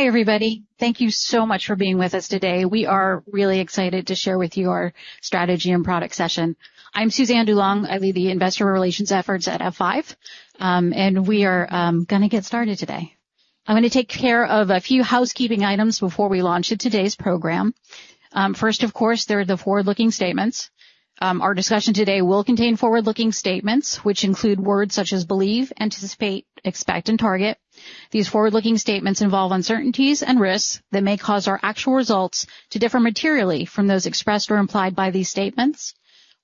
Hi, everybody. Thank you so much for being with us today. We are really excited to share with you our strategy and product session. I'm Suzanne DuLong. I lead the Investor Relations efforts at F5, and we are going to get started today. I'm going to take care of a few housekeeping items before we launch today's program. First, of course, there are the forward-looking statements. Our discussion today will contain forward-looking statements, which include words such as believe, anticipate, expect, and target. These forward-looking statements involve uncertainties and risks that may cause our actual results to differ materially from those expressed or implied by these statements.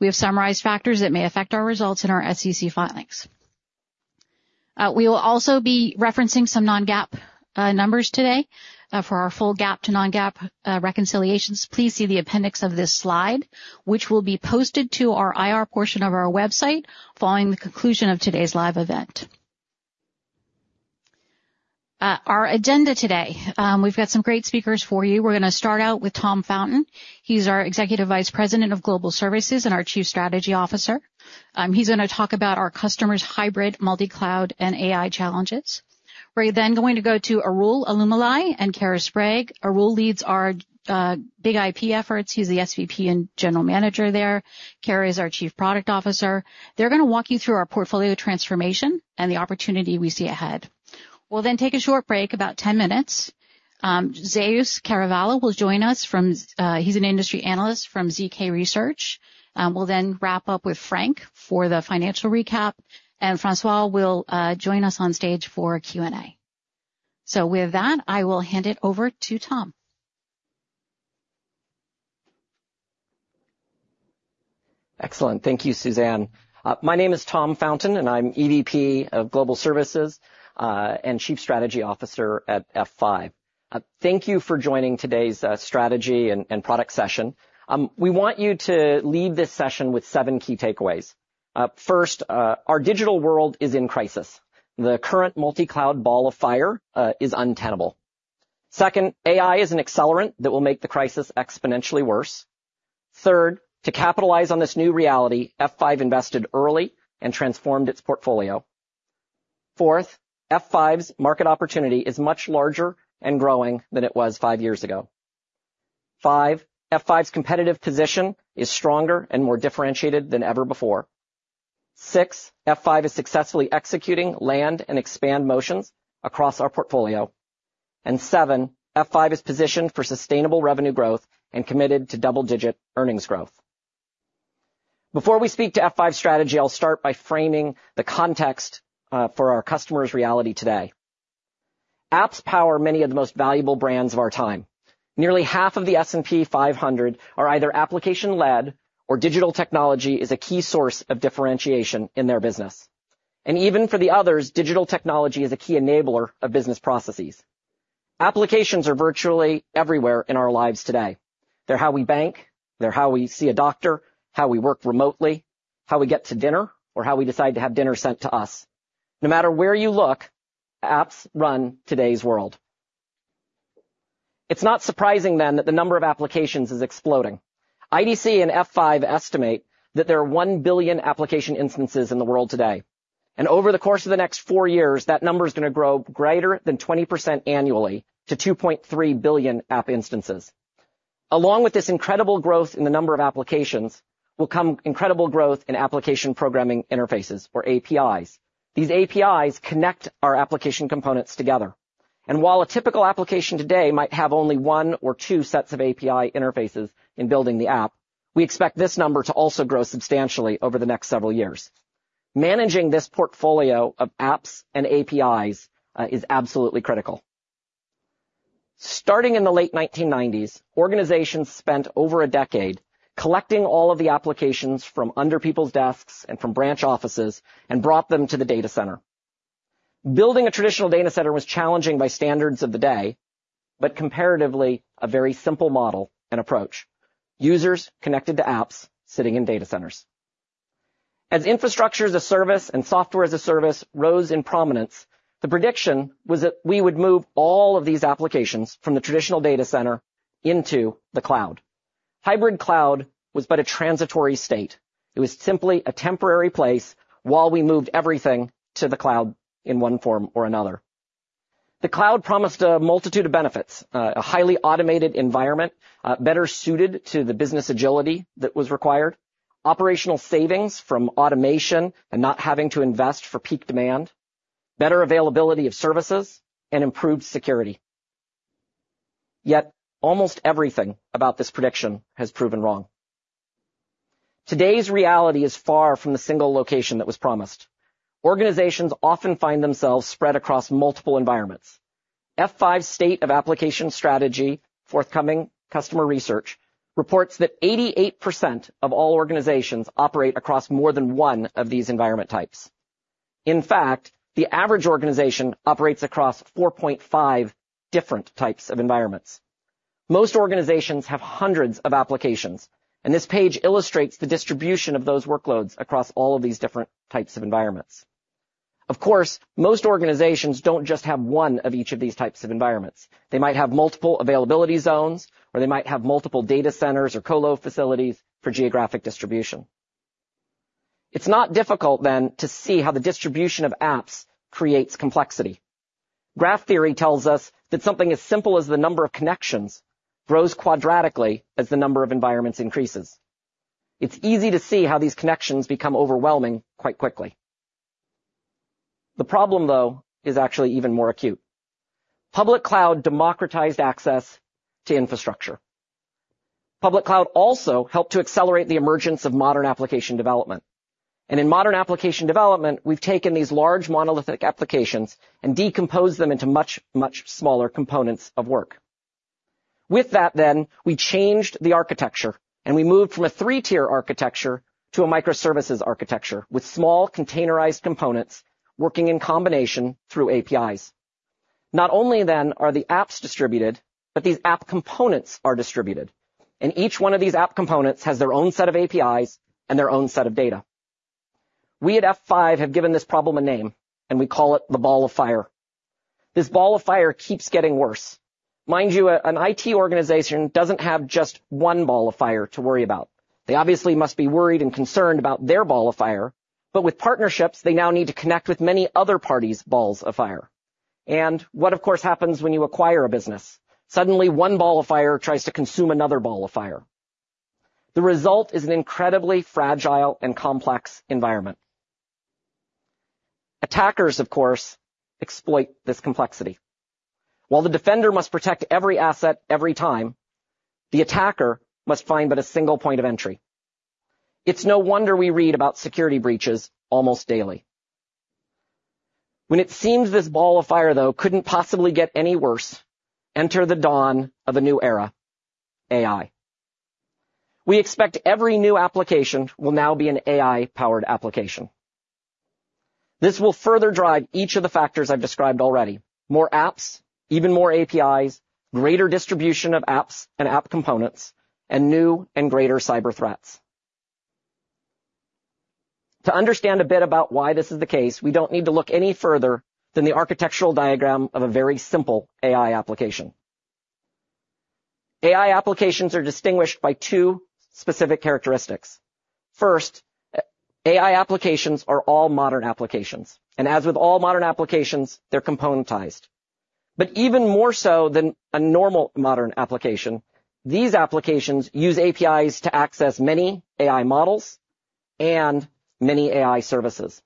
We have summarized factors that may affect our results in our SEC filings. We will also be referencing some non-GAAP numbers today for our full GAAP-to-non-GAAP reconciliations. Please see the appendix of this slide, which will be posted to our IR portion of our website following the conclusion of today's live event. Our agenda today, we've got some great speakers for you. We're going to start out with Tom Fountain. He's our Executive Vice President of Global Services and our Chief Strategy Officer. He's going to talk about our customers' hybrid, multi-cloud, and AI challenges. We're then going to go to Arul Elumalai and Kara Sprague. Arul leads our BIG-IP efforts. He's the SVP and General Manager there. Kara is our Chief Product Officer. They're going to walk you through our portfolio transformation and the opportunity we see ahead. We'll then take a short break, about 10 minutes. Zeus Kerravala will join us from, he's an industry analyst from ZK Research. We'll then wrap up with Frank for the financial recap, and François will join us on stage for Q&A. So with that, I will hand it over to Tom. Excellent. Thank you, Suzanne. My name is Tom Fountain, and I'm EVP of Global Services and Chief Strategy Officer at F5. Thank you for joining today's strategy and product session. We want you to leave this session with seven key takeaways. First, our digital world is in crisis. The current multi-cloud Ball of Fire is untenable. Second, AI is an accelerant that will make the crisis exponentially worse. Third, to capitalize on this new reality, F5 invested early and transformed its portfolio. Fourth, F5's market opportunity is much larger and growing than it was five years ago. Five, F5's competitive position is stronger and more differentiated than ever before. Six, F5 is successfully executing land and expand motions across our portfolio. And seven, F5 is positioned for sustainable revenue growth and committed to double-digit earnings growth. Before we speak to F5 strategy, I'll start by framing the context, for our customers' reality today. Apps power many of the most valuable brands of our time. Nearly half of the S&P 500 are either application-led or digital technology is a key source of differentiation in their business. Even for the others, digital technology is a key enabler of business processes. Applications are virtually everywhere in our lives today. They're how we bank, they're how we see a doctor, how we work remotely, how we get to dinner, or how we decide to have dinner sent to us. No matter where you look, apps run today's world. It's not surprising, then, that the number of applications is exploding. IDC and F5 estimate that there are 1 billion application instances in the world today. Over the course of the next four years, that number's going to grow greater than 20% annually to 2.3 billion app instances. Along with this incredible growth in the number of applications will come incredible growth in application programming interfaces, or APIs. These APIs connect our application components together. While a typical application today might have only one or two sets of API interfaces in building the app, we expect this number to also grow substantially over the next several years. Managing this portfolio of apps and APIs is absolutely critical. Starting in the late 1990s, organizations spent over a decade collecting all of the applications from under people's desks and from branch offices and brought them to the data center. Building a traditional data center was challenging by standards of the day, but comparatively, a very simple model and approach: users connected to apps sitting in data centers. As infrastructure as a service and software as a service rose in prominence, the prediction was that we would move all of these applications from the traditional data center into the cloud. Hybrid cloud was but a transitory state. It was simply a temporary place while we moved everything to the cloud in one form or another. The cloud promised a multitude of benefits, a highly automated environment, better suited to the business agility that was required, operational savings from automation and not having to invest for peak demand, better availability of services, and improved security. Yet almost everything about this prediction has proven wrong. Today's reality is far from the single location that was promised. Organizations often find themselves spread across multiple environments. F5's State of Application Strategy, forthcoming customer research, reports that 88% of all organizations operate across more than one of these environment types. In fact, the average organization operates across 4.5 different types of environments. Most organizations have hundreds of applications, and this page illustrates the distribution of those workloads across all of these different types of environments. Of course, most organizations don't just have one of each of these types of environments. They might have multiple availability zones, or they might have multiple data centers or colo facilities for geographic distribution. It's not difficult, then, to see how the distribution of apps creates complexity. Graph theory tells us that something as simple as the number of connections grows quadratically as the number of environments increases. It's easy to see how these connections become overwhelming quite quickly. The problem, though, is actually even more acute: public cloud democratized access to infrastructure. Public cloud also helped to accelerate the emergence of modern application development. In modern application development, we've taken these large monolithic applications and decomposed them into much, much smaller components of work. With that, then, we changed the architecture, and we moved from a three-tier architecture to a microservices architecture with small containerized components working in combination through APIs. Not only, then, are the apps distributed, but these app components are distributed. And each one of these app components has their own set of APIs and their own set of data. We at F5 have given this problem a name, and we call it the Ball of Fire. This Ball of Fire keeps getting worse. Mind you, an IT organization doesn't have just one Ball of Fire to worry about. They obviously must be worried and concerned about their ball of fire, but with partnerships, they now need to connect with many other parties' balls of fire. What, of course, happens when you acquire a business? Suddenly, one Ball of Fire tries to consume another Ball of Fire. The result is an incredibly fragile and complex environment. Attackers, of course, exploit this complexity. While the defender must protect every asset every time, the attacker must find but a single point of entry. It's no wonder we read about security breaches almost daily. When it seems this Ball of Fire, though, couldn't possibly get any worse, enter the dawn of a new era: AI. We expect every new application will now be an AI-powered application. This will further drive each of the factors I've described already: more apps, even more APIs, greater distribution of apps and app components, and new and greater cyber threats. To understand a bit about why this is the case, we don't need to look any further than the architectural diagram of a very simple AI application. AI applications are distinguished by two specific characteristics. First, AI applications are all modern applications. And as with all modern applications, they're componentized. But even more so than a normal modern application, these applications use APIs to access many AI models and many AI services.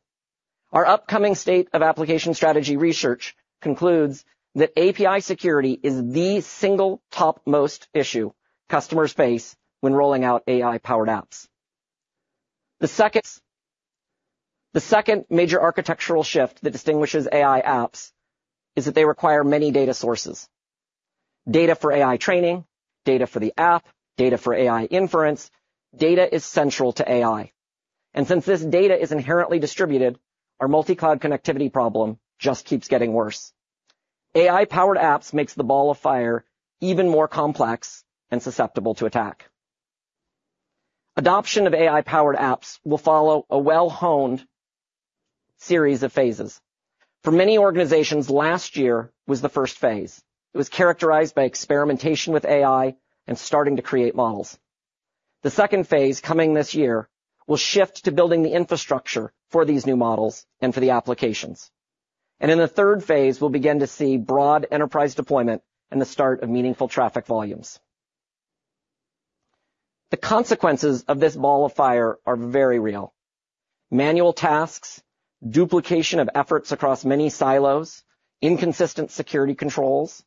Our upcoming State of Application Strategy research concludes that API security is the single topmost issue customers face when rolling out AI-powered apps. The second major architectural shift that distinguishes AI apps is that they require many data sources: data for AI training, data for the app, data for AI inference. Data is central to AI. And since this data is inherently distributed, our multi-cloud connectivity problem just keeps getting worse. AI-powered apps make the Ball of Fire even more complex and susceptible to attack. Adoption of AI-powered apps will follow a well-honed series of phases. For many organizations, last year was the first phase. It was characterized by experimentation with AI and starting to create models. The second phase, coming this year, will shift to building the infrastructure for these new models and for the applications. In the third phase, we'll begin to see broad enterprise deployment and the start of meaningful traffic volumes. The consequences of this Ball of Fire are very real: manual tasks, duplication of efforts across many silos, inconsistent security controls.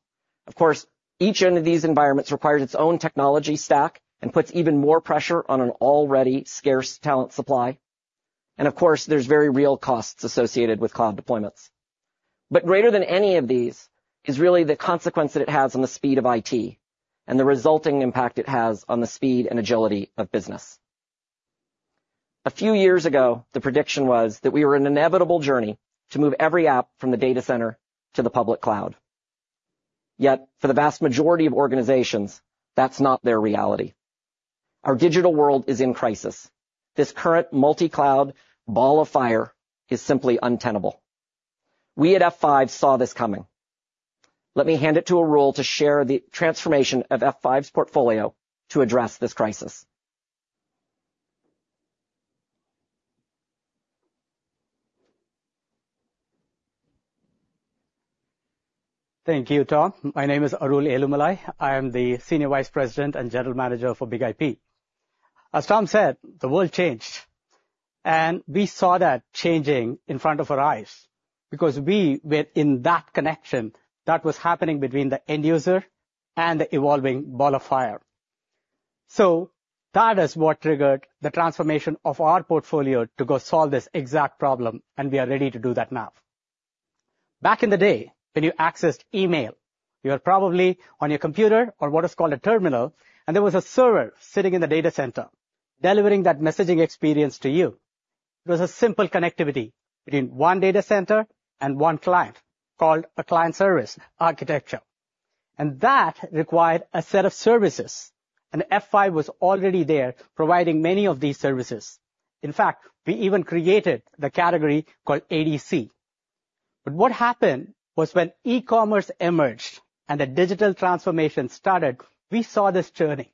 Of course, each one of these environments requires its own technology stack and puts even more pressure on an already scarce talent supply. Of course, there's very real costs associated with cloud deployments. But greater than any of these is really the consequence that it has on the speed of IT and the resulting impact it has on the speed and agility of business. A few years ago, the prediction was that we were in an inevitable journey to move every app from the data center to the public cloud. Yet for the vast majority of organizations, that's not their reality. Our digital world is in crisis. This current multi-cloud Ball of Fire is simply untenable. We at F5 saw this coming. Let me hand it to Arul to share the transformation of F5's portfolio to address this crisis. Thank you, Tom. My name is Arul Elumalai. I am the Senior Vice President and General Manager for BIG-IP. As Tom said, the world changed. We saw that changing in front of our eyes because we were in that connection that was happening between the end user and the evolving Ball of Fire. That is what triggered the transformation of our portfolio to go solve this exact problem, and we are ready to do that now. Back in the day, when you accessed email, you were probably on your computer or what is called a terminal, and there was a server sitting in the data center delivering that messaging experience to you. It was a simple connectivity between one data center and one client called a client-service architecture. That required a set of services, and F5 was already there providing many of these services. In fact, we even created the category called ADC. But what happened was when e-commerce emerged and the digital transformation started, we saw this journey.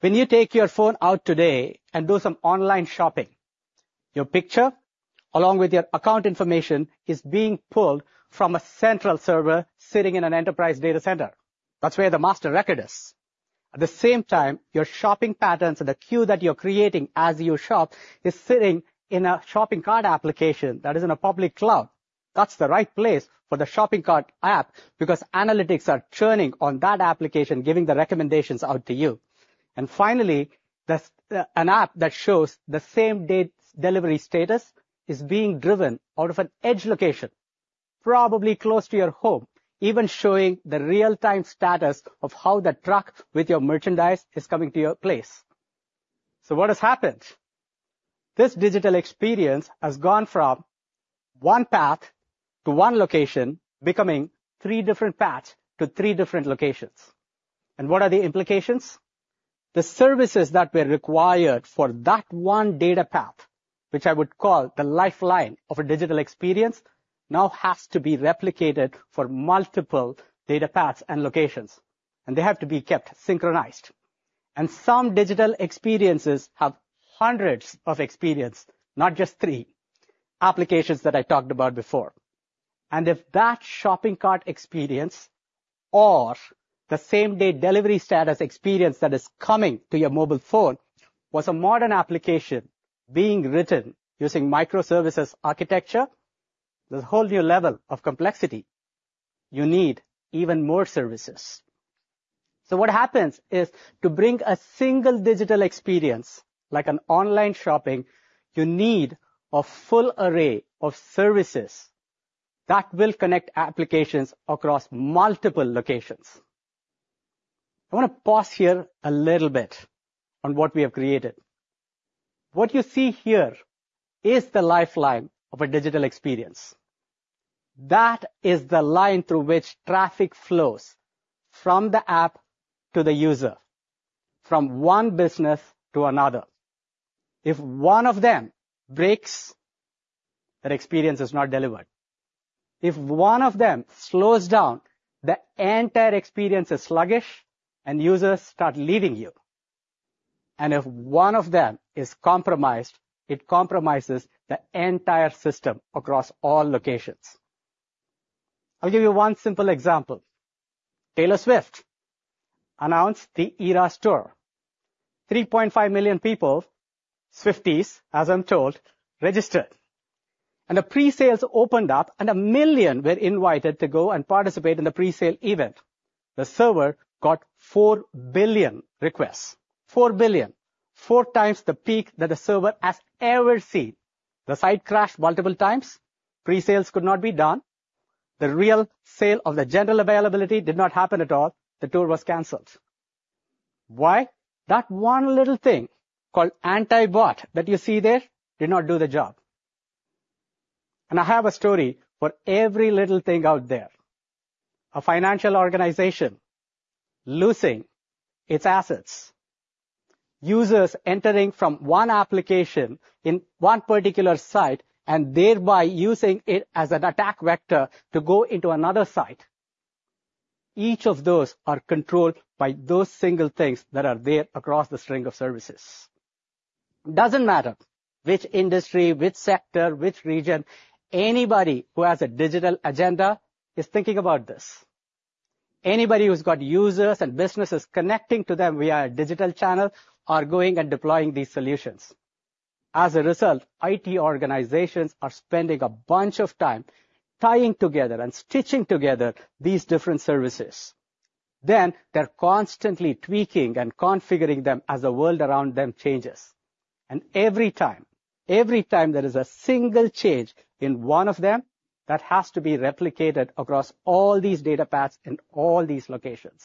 When you take your phone out today and do some online shopping, your picture, along with your account information, is being pulled from a central server sitting in an enterprise data center. That's where the master record is. At the same time, your shopping patterns and the queue that you're creating as you shop is sitting in a shopping cart application that is in a public cloud. That's the right place for the shopping cart app because analytics are churning on that application, giving the recommendations out to you. And finally, there's an app that shows the same-day delivery status is being driven out of an edge location, probably close to your home, even showing the real-time status of how the truck with your merchandise is coming to your place. So what has happened? This digital experience has gone from one path to one location, becoming three different paths to three different locations. And what are the implications? The services that were required for that one data path, which I would call the lifeline of a digital experience, now have to be replicated for multiple data paths and locations. And they have to be kept synchronized. And some digital experiences have hundreds of experiences, not just three: applications that I talked about before. If that shopping cart experience or the same-day delivery status experience that is coming to your mobile phone was a modern application being written using microservices architecture, there's a whole new level of complexity. You need even more services. So what happens is, to bring a single digital experience like online shopping, you need a full array of services that will connect applications across multiple locations. I want to pause here a little bit on what we have created. What you see here is the lifeline of a digital experience. That is the line through which traffic flows from the app to the user, from one business to another. If one of them breaks, that experience is not delivered. If one of them slows down, the entire experience is sluggish and users start leaving you. And if one of them is compromised, it compromises the entire system across all locations. I'll give you one simple example. Taylor Swift announced the Eras Tour. 3.5 million people, Swifties, as I'm told, registered. And the presales opened up, and 1 million were invited to go and participate in the presale event. The server got 4 billion requests. 4 billion, 4 times the peak that the server has ever seen. The site crashed multiple times. Presales could not be done. The real sale of the general availability did not happen at all. The tour was canceled. Why? That one little thing called anti-bot that you see there did not do the job. I have a story for every little thing out there: a financial organization losing its assets, users entering from one application in one particular site and thereby using it as an attack vector to go into another site. Each of those is controlled by those single things that are there across the string of services. It doesn't matter which industry, which sector, which region. Anybody who has a digital agenda is thinking about this. Anybody who's got users and businesses connecting to them via a digital channel are going and deploying these solutions. As a result, IT organizations are spending a bunch of time tying together and stitching together these different services. They're constantly tweaking and configuring them as the world around them changes. And every time, every time there is a single change in one of them, that has to be replicated across all these data paths and all these locations.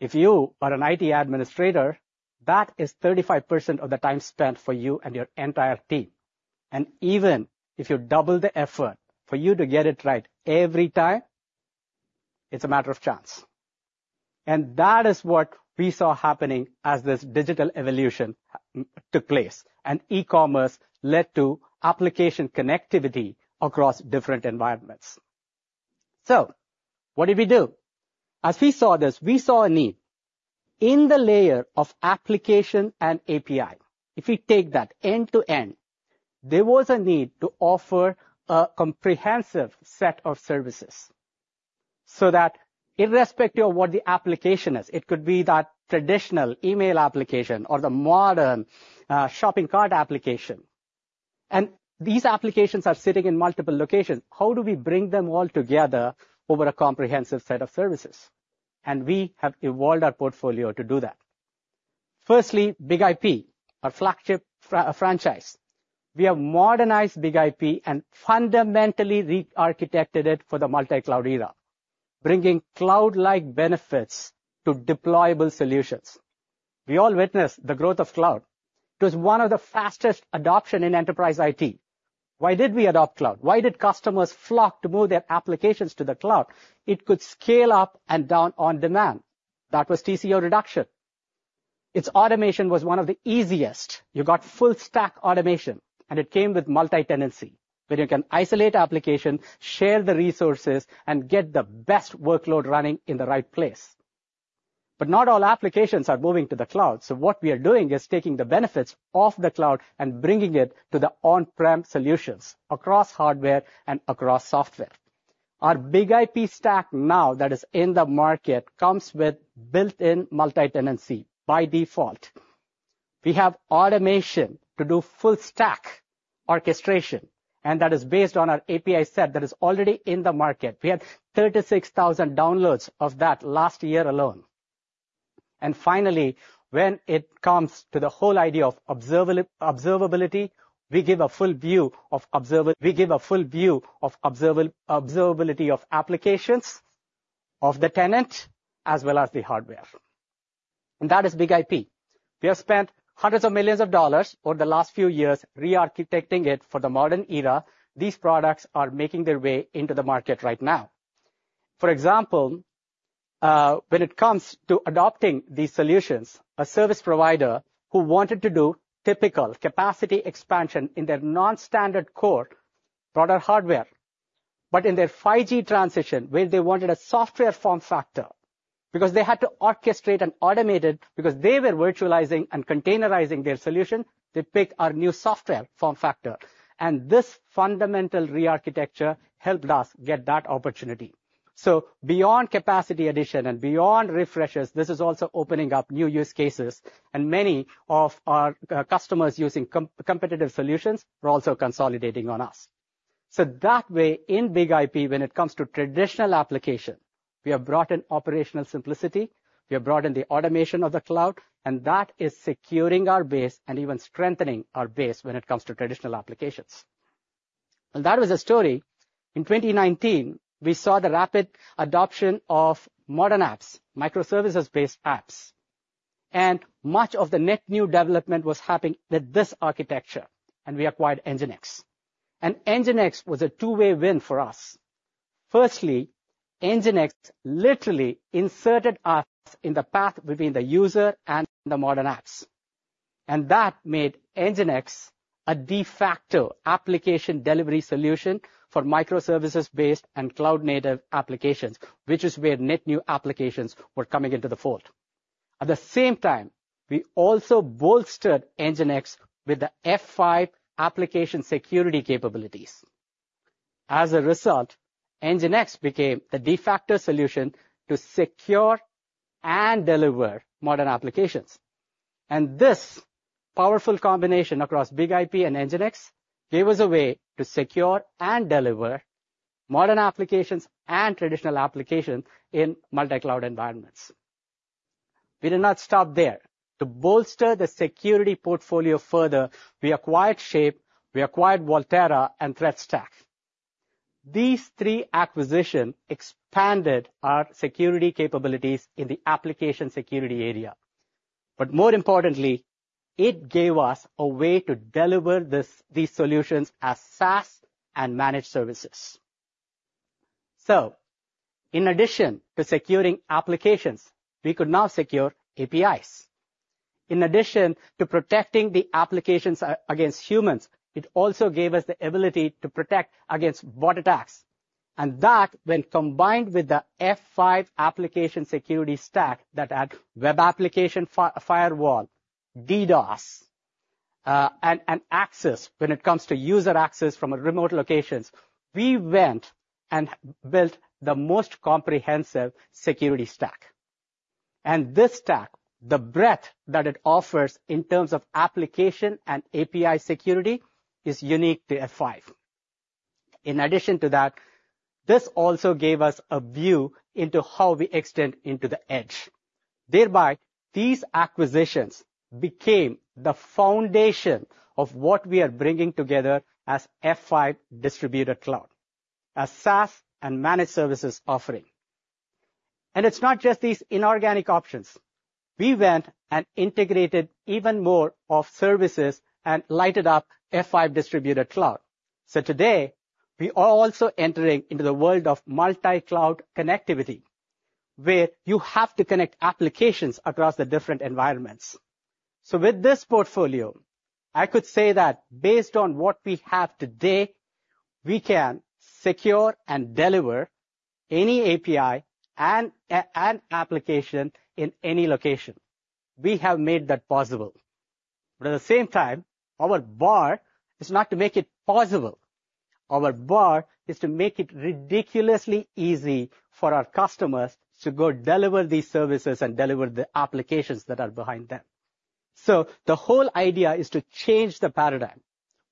If you are an IT administrator, that is 35% of the time spent for you and your entire team. And even if you double the effort for you to get it right every time, it's a matter of chance. And that is what we saw happening as this digital evolution, took place and e-commerce led to application connectivity across different environments. So what did we do? As we saw this, we saw a need. In the layer of application and API, if we take that end to end, there was a need to offer a comprehensive set of services. So that irrespective of what the application is, it could be that traditional email application or the modern, shopping cart application. These applications are sitting in multiple locations. How do we bring them all together over a comprehensive set of services? We have evolved our portfolio to do that. Firstly, BIG-IP, our flagship franchise. We have modernized BIG-IP and fundamentally re-architected it for the multi-cloud era, bringing cloud-like benefits to deployable solutions. We all witnessed the growth of cloud. It was one of the fastest adoptions in enterprise IT. Why did we adopt cloud? Why did customers flock to move their applications to the cloud? It could scale up and down on demand. That was TCO reduction. Its automation was one of the easiest. You got full-stack automation, and it came with multi-tenancy, where you can isolate applications, share the resources, and get the best workload running in the right place. But not all applications are moving to the cloud. So what we are doing is taking the benefits of the cloud and bringing it to the on-prem solutions across hardware and across software. Our BIG-IP stack now that is in the market comes with built-in multi-tenancy by default. We have automation to do full-stack orchestration, and that is based on our API set that is already in the market. We had 36,000 downloads of that last year alone. And finally, when it comes to the whole idea of observability, we give a full view of observability of applications, of the tenant, as well as the hardware. And that is BIG-IP. We have spent hundreds of millions of dollars for the last few years re-architecting it for the modern era. These products are making their way into the market right now. For example, when it comes to adopting these solutions, a service provider who wanted to do typical capacity expansion in their non-standard core broader hardware, but in their 5G transition, where they wanted a software form factor because they had to orchestrate and automate it because they were virtualizing and containerizing their solution, they picked our new software form factor. This fundamental re-architecture helped us get that opportunity. Beyond capacity addition and beyond refreshes, this is also opening up new use cases. Many of our customers using competitive solutions are also consolidating on us. So that way, in BIG-IP, when it comes to traditional applications, we have brought in operational simplicity. We have brought in the automation of the cloud, and that is securing our base and even strengthening our base when it comes to traditional applications. Well, that was a story. In 2019, we saw the rapid adoption of modern apps, microservices-based apps. Much of the net new development was happening with this architecture, and we acquired NGINX. NGINX was a two-way win for us. Firstly, NGINX literally inserted us in the path between the user and the modern apps. That made NGINX a de facto application delivery solution for microservices-based and cloud-native applications, which is where net new applications were coming into the fold. At the same time, we also bolstered NGINX with the F5 application security capabilities. As a result, NGINX became the de facto solution to secure and deliver modern applications. This powerful combination across BIG-IP and NGINX gave us a way to secure and deliver modern applications and traditional applications in multi-cloud environments. We did not stop there. To bolster the security portfolio further, we acquired Shape. We acquired Volterra and Threat Stack. These three acquisitions expanded our security capabilities in the application security area. But more importantly, it gave us a way to deliver these solutions as SaaS and managed services. So in addition to securing applications, we could now secure APIs. In addition to protecting the applications against humans, it also gave us the ability to protect against bot attacks. And that, when combined with the F5 application security stack that had web application firewall, DDoS, and access when it comes to user access from remote locations, we went and built the most comprehensive security stack. And this stack, the breadth that it offers in terms of application and API security, is unique to F5. In addition to that, this also gave us a view into how we extend into the edge. Thereby, these acquisitions became the foundation of what we are bringing together as F5 Distributed Cloud, a SaaS and managed services offering. It's not just these inorganic options. We went and integrated even more of services and lighted up F5 Distributed Cloud. Today, we are also entering into the world of multi-cloud connectivity, where you have to connect applications across the different environments. With this portfolio, I could say that based on what we have today, we can secure and deliver any API and, and application in any location. We have made that possible. But at the same time, our bar is not to make it possible. Our bar is to make it ridiculously easy for our customers to go deliver these services and deliver the applications that are behind them. The whole idea is to change the paradigm.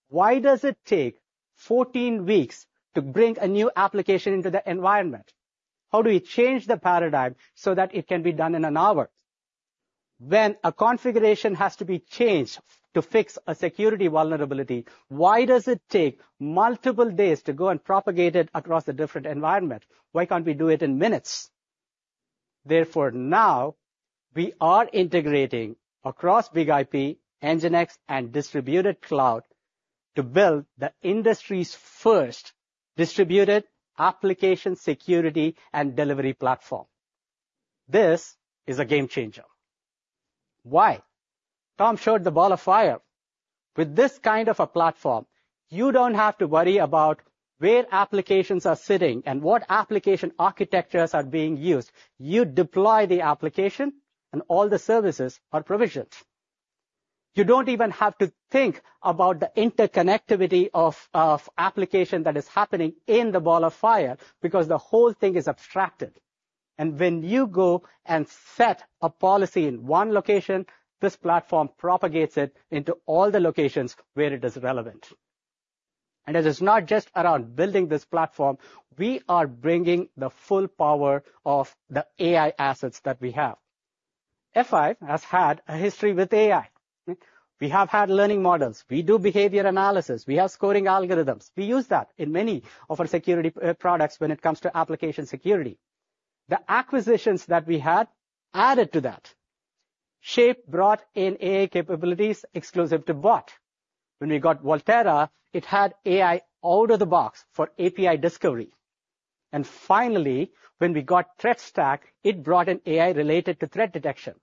Why does it take 14 weeks to bring a new application into the environment? How do we change the paradigm so that it can be done in an hour? When a configuration has to be changed to fix a security vulnerability, why does it take multiple days to go and propagate it across the different environments? Why can't we do it in minutes? Therefore, now, we are integrating across BIG-IP, NGINX, and Distributed Cloud to build the industry's first distributed application security and delivery platform. This is a game-changer. Why? Tom showed the Ball of Fire With this kind of a platform, you don't have to worry about where applications are sitting and what application architectures are being used. You deploy the application, and all the services are provisioned. You don't even have to think about the interconnectivity of applications that is happening in the Ball of Fire because the whole thing is abstracted. And when you go and set a policy in one location, this platform propagates it into all the locations where it is relevant. And it is not just around building this platform. We are bringing the full power of the AI assets that we have. F5 has had a history with AI. We have had learning models. We do behavior analysis. We have scoring algorithms. We use that in many of our security products when it comes to application security. The acquisitions that we had added to that. Shape brought in AI capabilities exclusive to bot. When we got Volterra, it had AI out of the box for API discovery. And finally, when we got Threat Stack, it brought in AI related to threat detection.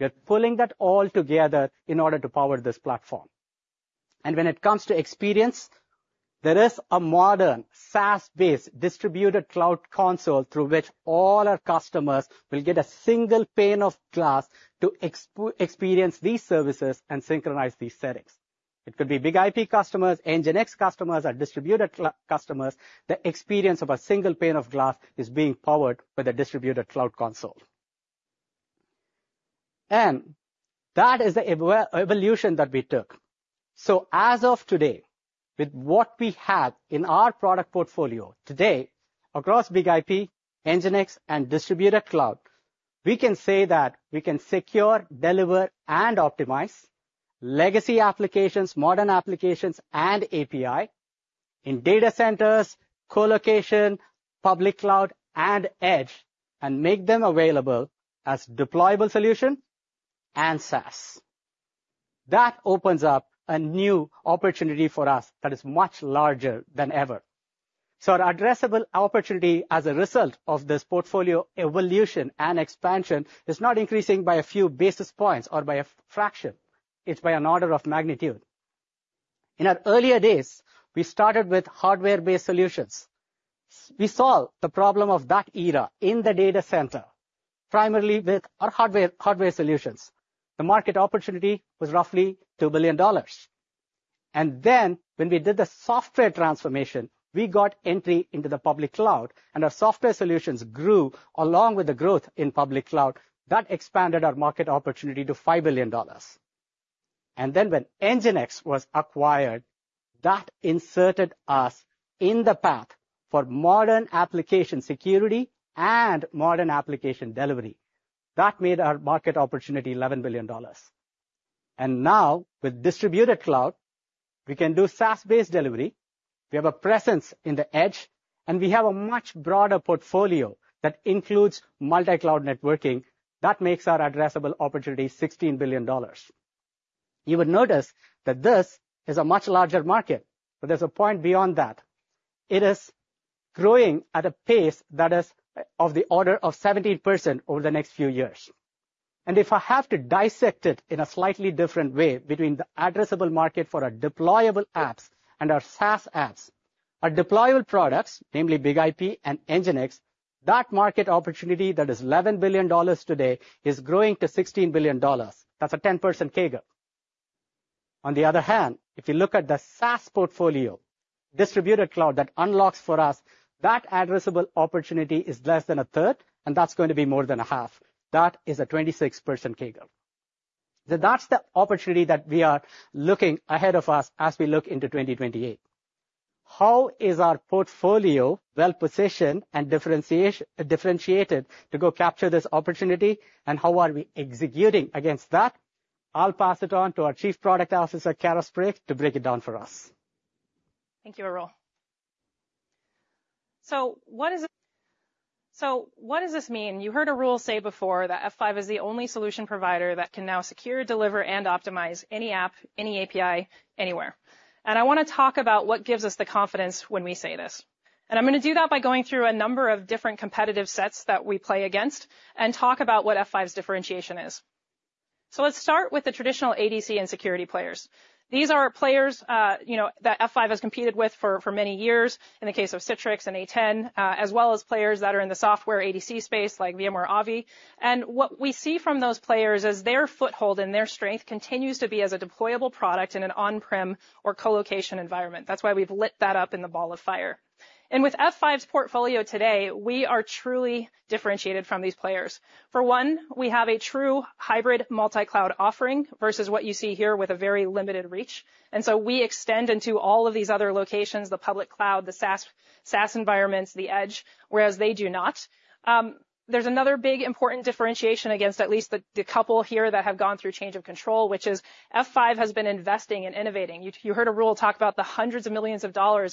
We are pulling that all together in order to power this platform. And when it comes to experience, there is a modern SaaS-based Distributed Cloud Console through which all our customers will get a single pane of glass to experience these services and synchronize these settings. It could be BIG-IP customers, NGINX customers, or Distributed Cloud customers. The experience of a single pane of glass is being powered with a Distributed Cloud Console. And that is the evolution that we took. So as of today, with what we have in our product portfolio today across BIG-IP, NGINX, and Distributed Cloud, we can say that we can secure, deliver, and optimize legacy applications, modern applications, and API in data centers, colocation, public cloud, and edge, and make them available as deployable solutions and SaaS. That opens up a new opportunity for us that is much larger than ever. So our addressable opportunity as a result of this portfolio evolution and expansion is not increasing by a few basis points or by a fraction. It's by an order of magnitude. In our earlier days, we started with hardware-based solutions. We solved the problem of that era in the data center, primarily with our hardware solutions. The market opportunity was roughly $2 billion. And then when we did the software transformation, we got entry into the public cloud, and our software solutions grew along with the growth in public cloud. That expanded our market opportunity to $5 billion. And then when NGINX was acquired, that inserted us in the path for modern application security and modern application delivery. That made our market opportunity $11 billion. And now, with Distributed Cloud, we can do SaaS-based delivery. We have a presence in the edge, and we have a much broader portfolio that includes Multi-Cloud Networking. That makes our addressable opportunity $16 billion. You would notice that this is a much larger market. But there's a point beyond that. It is growing at a pace that is of the order of 17% over the next few years. And if I have to dissect it in a slightly different way between the addressable market for our deployable apps and our SaaS apps, our deployable products, namely BIG-IP and NGINX, that market opportunity that is $11 billion today is growing to $16 billion. That's a 10% CAGR. On the other hand, if you look at the SaaS portfolio, Distributed Cloud that unlocks for us, that addressable opportunity is less than a third, and that's going to be more than a half. That is a 26% CAGR. So that's the opportunity that we are looking ahead of us as we look into 2028. How is our portfolio well-positioned and differentiated to go capture this opportunity, and how are we executing against that? I'll pass it on to our Chief Product Officer, Kara Sprague, to break it down for us. Thank you, Arul. So what does this mean? So what does this mean? You heard Arul say before that F5 is the only solution provider that can now secure, deliver, and optimize any app, any API, anywhere. And I want to talk about what gives us the confidence when we say this. And I'm going to do that by going through a number of different competitive sets that we play against and talk about what F5's differentiation is. So let's start with the traditional ADC and security players. These are players, you know, that F5 has competed with for many years, in the case of Citrix and A10, as well as players that are in the software ADC space like VMware Avi. And what we see from those players is their foothold and their strength continues to be as a deployable product in an on-prem or colocation environment. That's why we've lit that up in the Ball of Fire. With F5's portfolio today, we are truly differentiated from these players. For one, we have a true hybrid multi-cloud offering versus what you see here with a very limited reach. So we extend into all of these other locations: the public cloud, the SaaS environments, the edge, whereas they do not. There's another big important differentiation against at least the couple here that have gone through change of control, which is F5 has been investing and innovating. You heard Arul talk about the $ hundreds of millions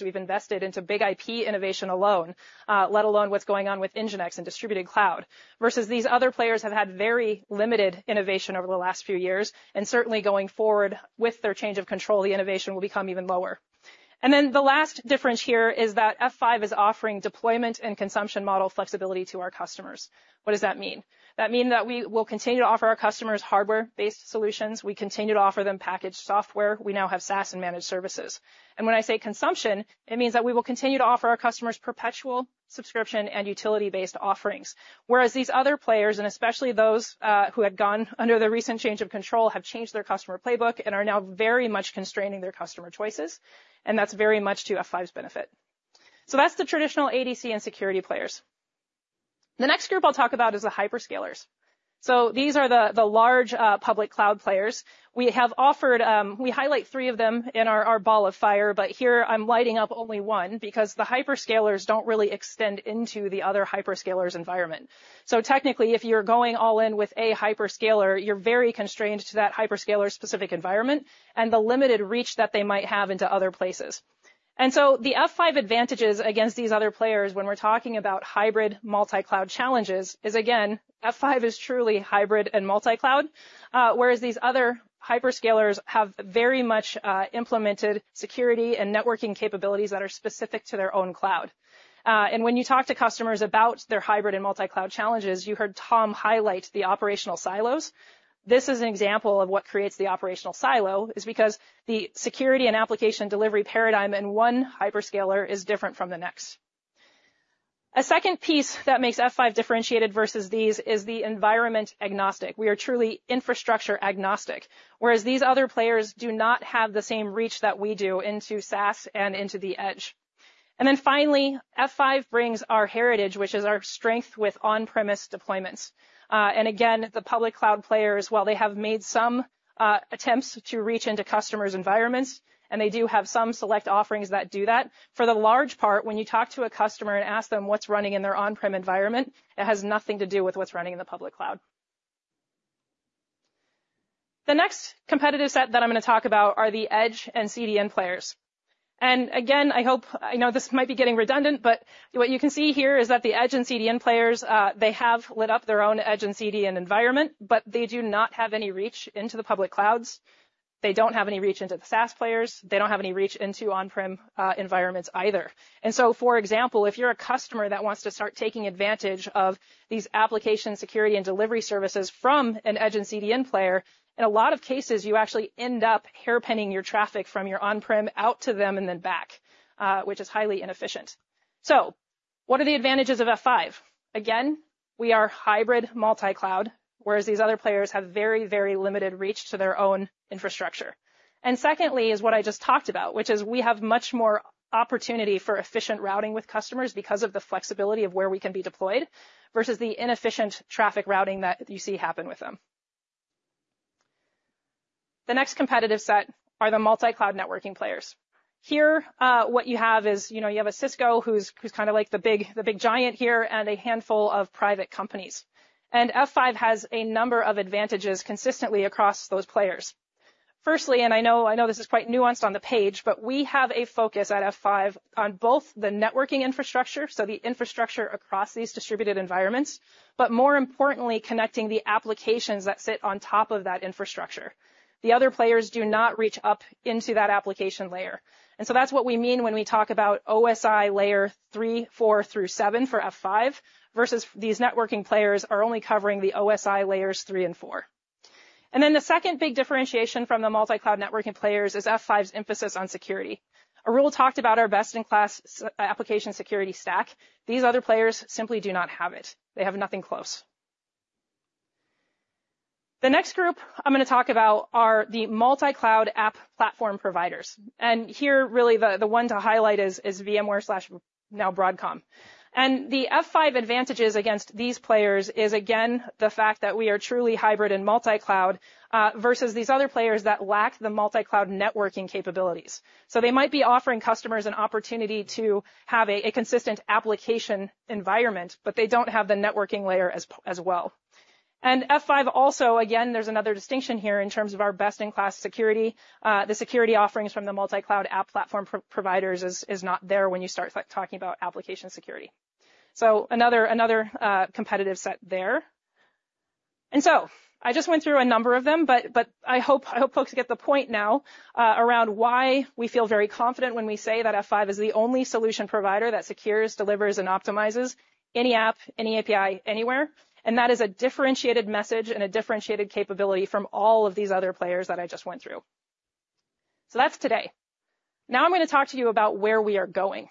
we've invested into BIG-IP innovation alone, let alone what's going on with NGINX and Distributed Cloud, versus these other players have had very limited innovation over the last few years. Certainly, going forward with their change of control, the innovation will become even lower. Then the last difference here is that F5 is offering deployment and consumption model flexibility to our customers. What does that mean? That means that we will continue to offer our customers hardware-based solutions. We continue to offer them packaged software. We now have SaaS and managed services. And when I say consumption, it means that we will continue to offer our customers perpetual subscription and utility-based offerings, whereas these other players, and especially those who had gone under the recent change of control, have changed their customer playbook and are now very much constraining their customer choices. And that's very much to F5's benefit. So that's the traditional ADC and security players. The next group I'll talk about is the hyperscalers. So these are the large, public cloud players. We have offered. We highlight three of them in our Ball of Fire. But here, I'm lighting up only one because the hyperscalers don't really extend into the other hyperscalers' environment. So technically, if you're going all in with a hyperscaler, you're very constrained to that hyperscaler-specific environment and the limited reach that they might have into other places. And so the F5 advantages against these other players when we're talking about hybrid multi-cloud challenges is, again, F5 is truly hybrid and multi-cloud, whereas these other hyperscalers have very much implemented security and networking capabilities that are specific to their own cloud. And when you talk to customers about their hybrid and multi-cloud challenges, you heard Tom highlight the operational silos. This is an example of what creates the operational silo is because the security and application delivery paradigm in one hyperscaler is different from the next. A second piece that makes F5 differentiated versus these is the environment-agnostic. We are truly infrastructure-agnostic, whereas these other players do not have the same reach that we do into SaaS and into the edge. And then finally, F5 brings our heritage, which is our strength with on-premise deployments. And again, the public cloud players, while they have made some attempts to reach into customers' environments, and they do have some select offerings that do that, for the large part, when you talk to a customer and ask them what's running in their on-prem environment, it has nothing to do with what's running in the public cloud. The next competitive set that I'm going to talk about are the edge and CDN players. Again, I hope you know this might be getting redundant. But what you can see here is that the edge and CDN players, they have lit up their own edge and CDN environment, but they do not have any reach into the public clouds. They don't have any reach into the SaaS players. They don't have any reach into on-prem environments either. And so, for example, if you're a customer that wants to start taking advantage of these application security and delivery services from an edge and CDN player, in a lot of cases, you actually end up hairpinning your traffic from your on-prem out to them and then back, which is highly inefficient. So what are the advantages of F5? Again, we are hybrid multi-cloud, whereas these other players have very, very limited reach to their own infrastructure. Secondly is what I just talked about, which is we have much more opportunity for efficient routing with customers because of the flexibility of where we can be deployed versus the inefficient traffic routing that you see happen with them. The next competitive set are the Multi-Cloud Networking players. Here, what you have is, you know, you have a Cisco who's kind of like the big giant here and a handful of private companies. F5 has a number of advantages consistently across those players. Firstly, and I know this is quite nuanced on the page, but we have a focus at F5 on both the networking infrastructure, so the infrastructure across these distributed environments, but more importantly, connecting the applications that sit on top of that infrastructure. The other players do not reach up into that application layer. And so that's what we mean when we talk about OSI layers 3-7 for F5 versus these networking players are only covering the OSI layers three and four. And then the second big differentiation from the Multi-Cloud Networking players is F5's emphasis on security. Arul talked about our best-in-class application security stack. These other players simply do not have it. They have nothing close. The next group I'm going to talk about are the multi-cloud app platform providers. And here, really, the one to highlight is VMware, now Broadcom. And the F5 advantages against these players is, again, the fact that we are truly hybrid and multi-cloud versus these other players that lack the Multi-Cloud Networking capabilities. So they might be offering customers an opportunity to have a consistent application environment, but they don't have the networking layer as well. And F5 also, again, there's another distinction here in terms of our best-in-class security. The security offerings from the multi-cloud app platform providers are not there when you start talking about application security. So another competitive set there. And so I just went through a number of them. But I hope folks get the point now around why we feel very confident when we say that F5 is the only solution provider that secures, delivers, and optimizes any app, any API, anywhere. And that is a differentiated message and a differentiated capability from all of these other players that I just went through. So that's today. Now, I'm going to talk to you about where we are going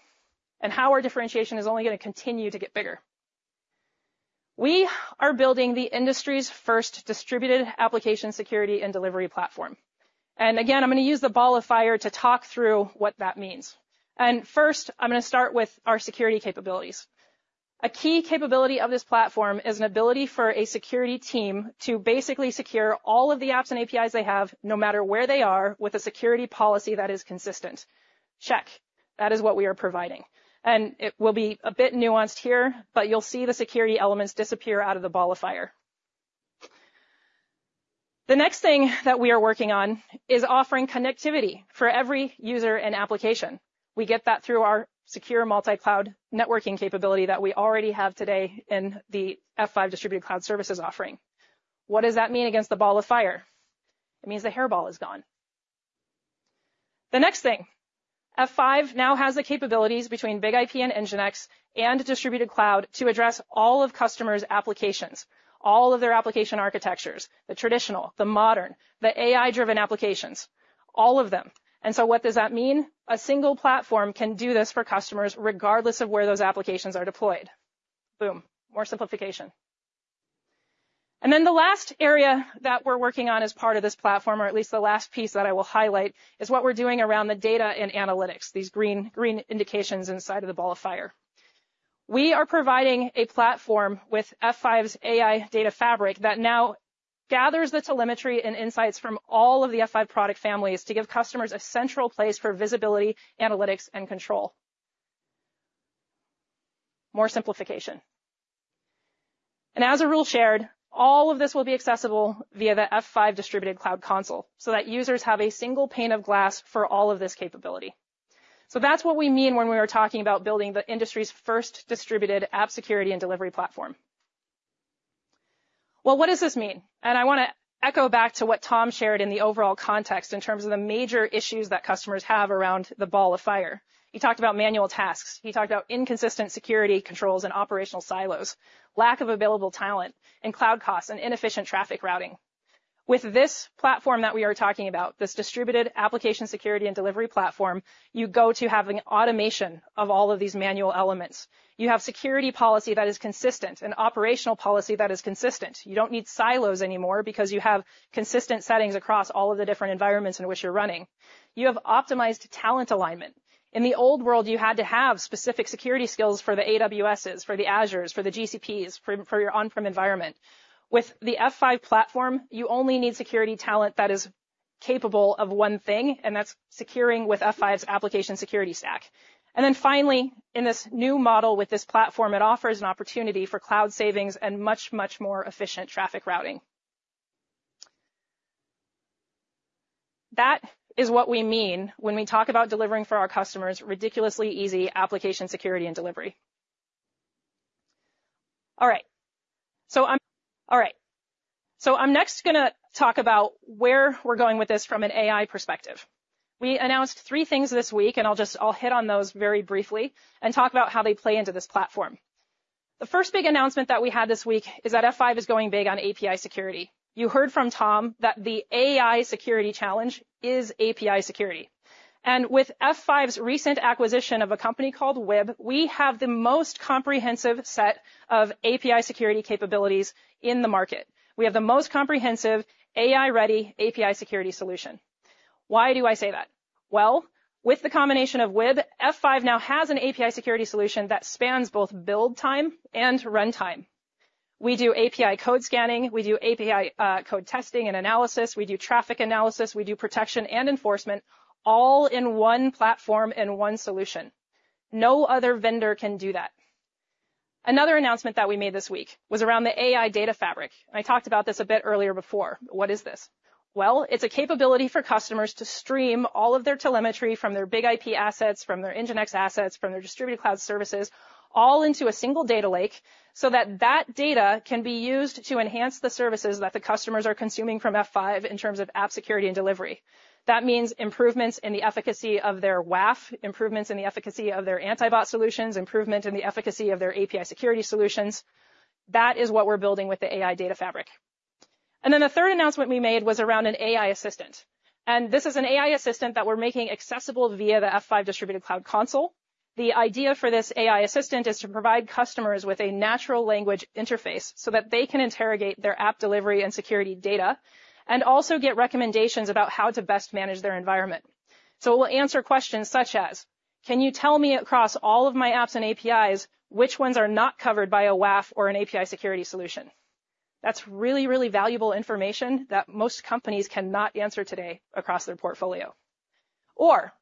and how our differentiation is only going to continue to get bigger. We are building the industry's first distributed application security and delivery platform. Again, I'm going to use the Ball of Fire to talk through what that means. First, I'm going to start with our security capabilities. A key capability of this platform is an ability for a security team to basically secure all of the apps and APIs they have no matter where they are with a security policy that is consistent. Check. That is what we are providing. It will be a bit nuanced here, but you'll see the security elements disappear out of the Ball of Fire. The next thing that we are working on is offering connectivity for every user and application. We get that through our secure Multi-Cloud Networking capability that we already have today in the F5 Distributed Cloud Services offering. What does that mean against the Ball of Fire? It means the hairball is gone. The next thing, F5 now has the capabilities between BIG-IP and NGINX and Distributed Cloud to address all of customers' applications, all of their application architectures: the traditional, the modern, the AI-driven applications, all of them. And so what does that mean? A single platform can do this for customers regardless of where those applications are deployed. Boom. More simplification. And then the last area that we're working on as part of this platform, or at least the last piece that I will highlight, is what we're doing around the data and analytics, these green indications inside of the Ball of Fire. We are providing a platform with F5's AI Data Fabric that now gathers the telemetry and insights from all of the F5 product families to give customers a central place for visibility, analytics, and control. More simplification. And as Arul shared, all of this will be accessible via the F5 Distributed Cloud Console so that users have a single pane of glass for all of this capability. So that's what we mean when we are talking about building the industry's first distributed app security and delivery platform. Well, what does this mean? And I want to echo back to what Tom shared in the overall context in terms of the major issues that customers have around the Ball of Fire. He talked about manual tasks. He talked about inconsistent security controls and operational silos, lack of available talent, and cloud costs, and inefficient traffic routing. With this platform that we are talking about, this distributed application security and delivery platform, you go to having automation of all of these manual elements. You have security policy that is consistent and operational policy that is consistent. You don't need silos anymore because you have consistent settings across all of the different environments in which you're running. You have optimized talent alignment. In the old world, you had to have specific security skills for the AWSs, for the Azures, for the GCPs, for your on-prem environment. With the F5 platform, you only need security talent that is capable of one thing. And that's securing with F5's application security stack. And then finally, in this new model with this platform, it offers an opportunity for cloud savings and much, much more efficient traffic routing. That is what we mean when we talk about delivering for our customers ridiculously easy application security and delivery. All right. So I'm all right. So I'm next going to talk about where we're going with this from an AI perspective. We announced three things this week. I'll just hit on those very briefly and talk about how they play into this platform. The first big announcement that we had this week is that F5 is going big on API security. You heard from Tom that the AI security challenge is API security. With F5's recent acquisition of a company called Wib, we have the most comprehensive set of API security capabilities in the market. We have the most comprehensive AI-ready API security solution. Why do I say that? Well, with the combination of Wib, F5 now has an API security solution that spans both build time and run time. We do API code scanning. We do API code testing and analysis. We do traffic analysis. We do protection and enforcement all in one platform and one solution. No other vendor can do that. Another announcement that we made this week was around the AI Data Fabric. I talked about this a bit earlier before. What is this? Well, it's a capability for customers to stream all of their telemetry from their BIG-IP assets, from their NGINX assets, from their Distributed Cloud Services all into a single data lake so that that data can be used to enhance the services that the customers are consuming from F5 in terms of app security and delivery. That means improvements in the efficacy of their WAF, improvements in the efficacy of their anti-bot solutions, improvement in the efficacy of their API security solutions. That is what we're building with the AI Data Fabric. The third announcement we made was around an AI Assistant. This is an AI Assistant that we're making accessible via the F5 Distributed Cloud Console. The idea for this AI Assistant is to provide customers with a natural language interface so that they can interrogate their app delivery and security data and also get recommendations about how to best manage their environment. So it will answer questions such as, can you tell me across all of my apps and APIs which ones are not covered by a WAF or an API security solution? That's really, really valuable information that most companies cannot answer today across their portfolio. Or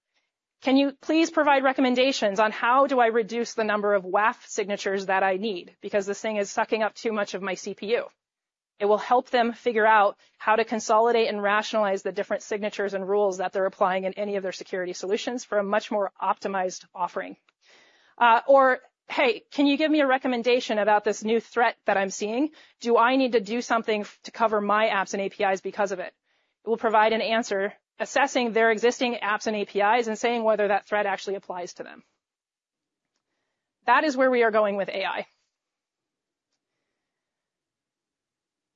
can you please provide recommendations on how do I reduce the number of WAF signatures that I need because this thing is sucking up too much of my CPU? It will help them figure out how to consolidate and rationalize the different signatures and rules that they're applying in any of their security solutions for a much more optimized offering. Or, hey, can you give me a recommendation about this new threat that I'm seeing? Do I need to do something to cover my apps and APIs because of it? It will provide an answer assessing their existing apps and APIs and saying whether that threat actually applies to them. That is where we are going with AI.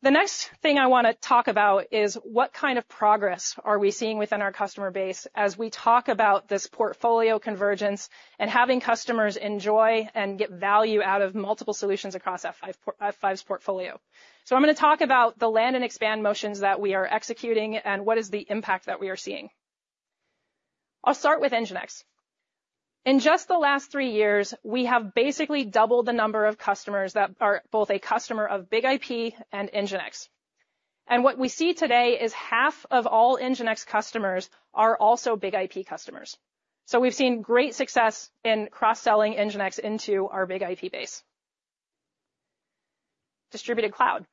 The next thing I want to talk about is what kind of progress are we seeing within our customer base as we talk about this portfolio convergence and having customers enjoy and get value out of multiple solutions across F5's portfolio. So I'm going to talk about the land and expand motions that we are executing and what is the impact that we are seeing. I'll start with NGINX. In just the last three years, we have basically doubled the number of customers that are both a customer of BIG-IP and NGINX. And what we see today is half of all NGINX customers are also BIG-IP customers. So we've seen great success in cross-selling NGINX into our BIG-IP base. Distributed Cloud.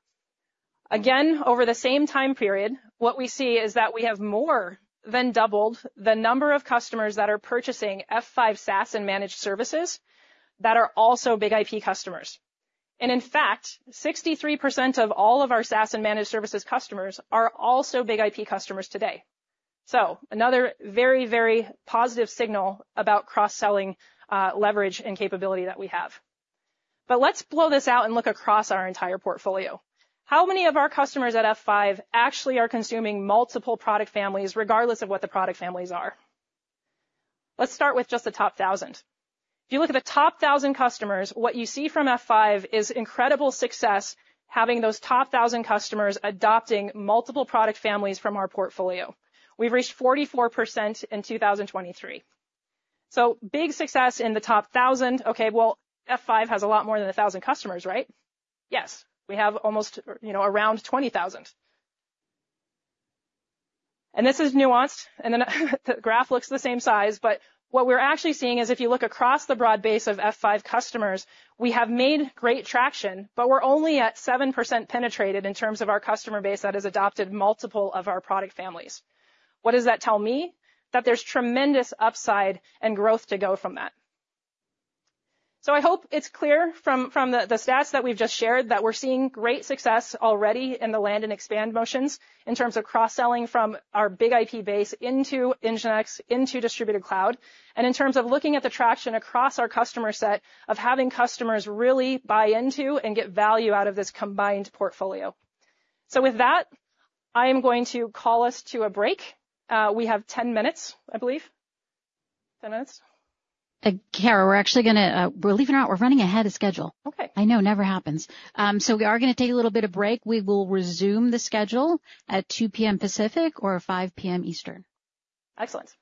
Again, over the same time period, what we see is that we have more than doubled the number of customers that are purchasing F5 SaaS and managed services that are also BIG-IP customers. And in fact, 63% of all of our SaaS and managed services customers are also BIG-IP customers today. So another very, very positive signal about cross-selling leverage and capability that we have. But let's blow this out and look across our entire portfolio. How many of our customers at F5 actually are consuming multiple product families regardless of what the product families are? Let's start with just the top 1,000. If you look at the top 1,000 customers, what you see from F5 is incredible success having those top 1,000 customers adopting multiple product families from our portfolio. We've reached 44% in 2023. So big success in the top 1,000. OK, well, F5 has a lot more than 1,000 customers, right? Yes. We have almost around 20,000. This is nuanced. Then the graph looks the same size. But what we're actually seeing is if you look across the broad base of F5 customers, we have made great traction, but we're only at 7% penetrated in terms of our customer base that has adopted multiple of our product families. What does that tell me? That there's tremendous upside and growth to go from that. So I hope it's clear from the stats that we've just shared that we're seeing great success already in the land and expand motions in terms of cross-selling from our BIG-IP base into NGINX, into Distributed Cloud, and in terms of looking at the traction across our customer set of having customers really buy into and get value out of this combined portfolio. So with that, I am going to call us to a break. We have 10 minutes, I believe. 10 minutes. Kara, we're actually leaving out. We're running ahead of schedule. I know. Never happens. We are going to take a little bit of break. We will resume the schedule at 2:00 P.M. Pacific or 5:00 P.M. Eastern. Excellent.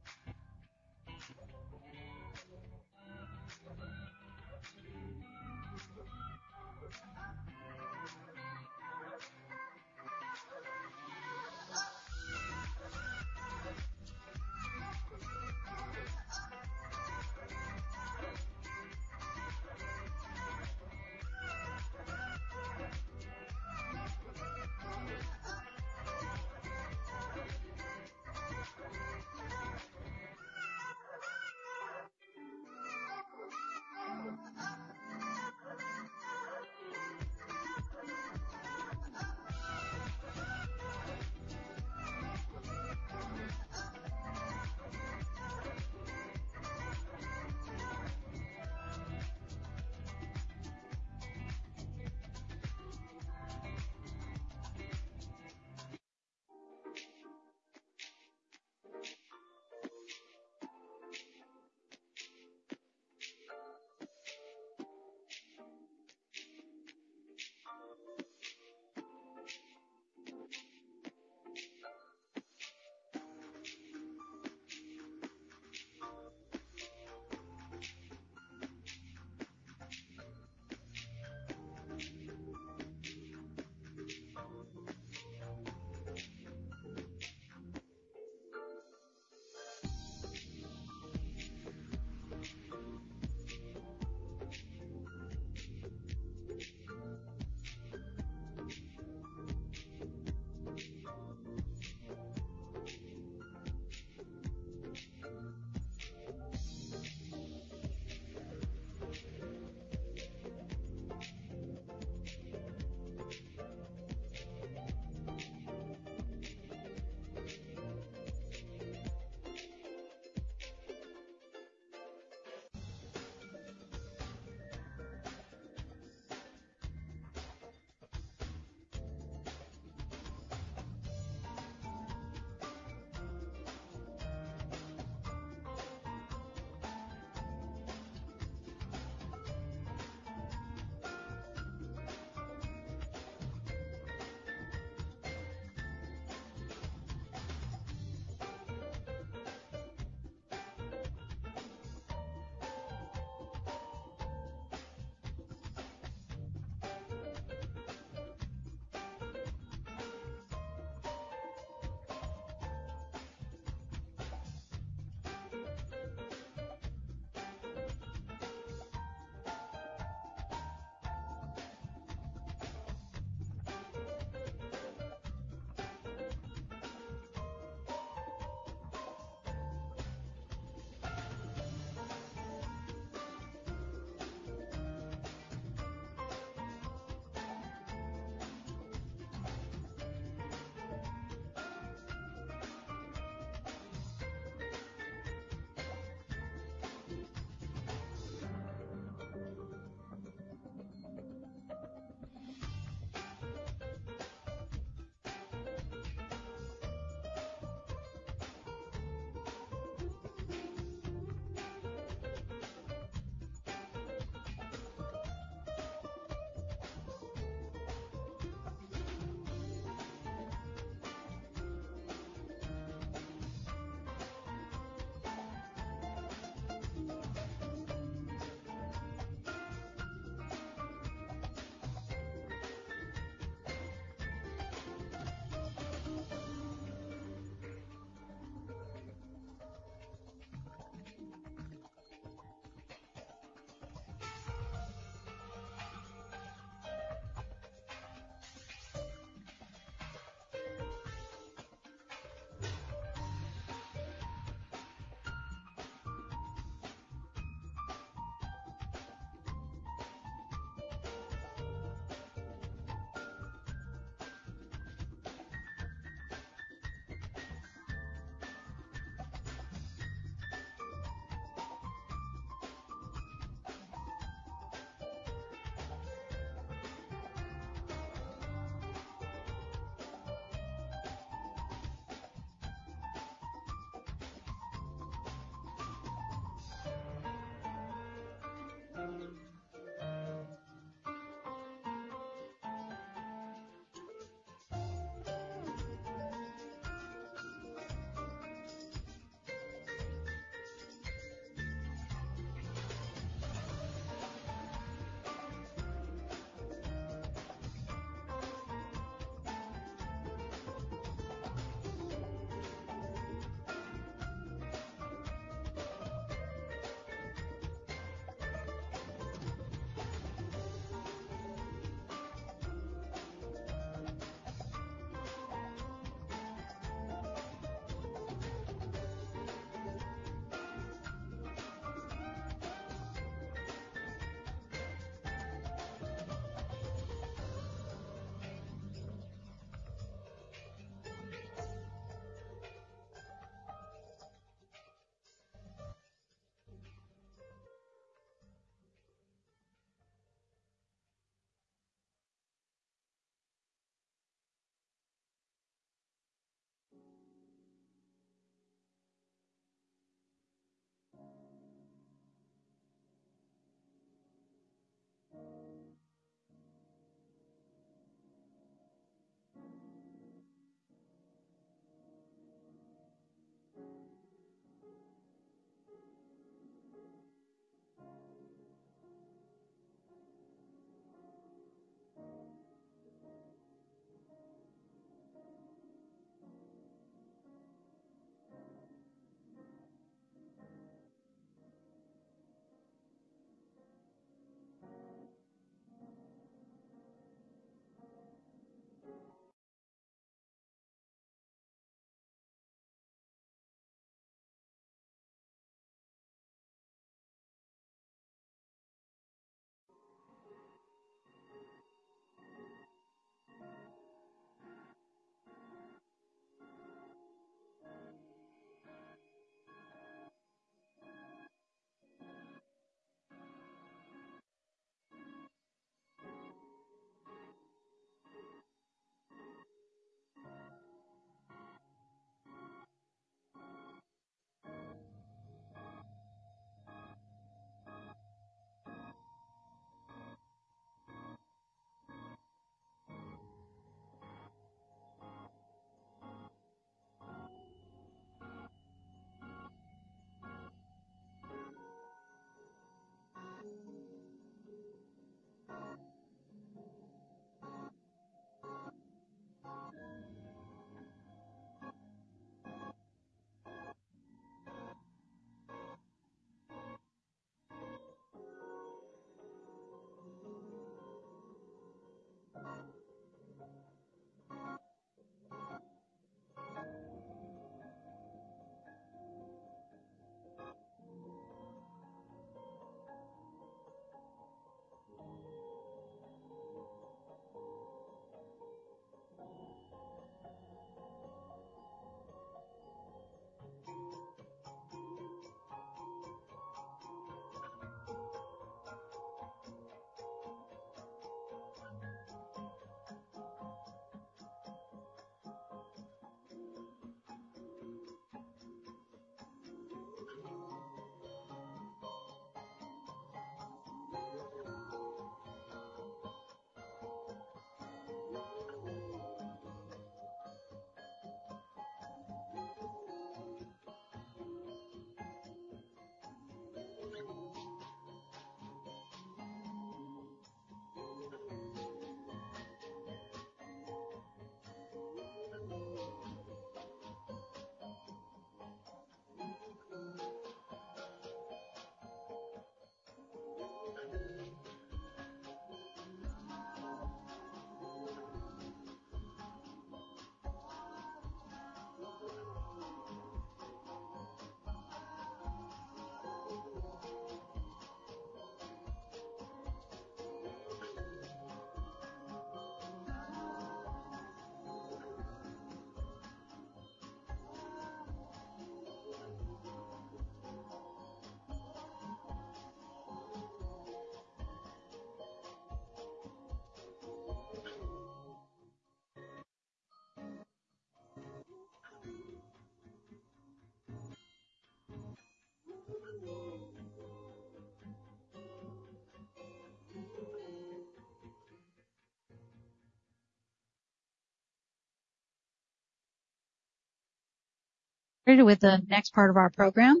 With the next part of our program,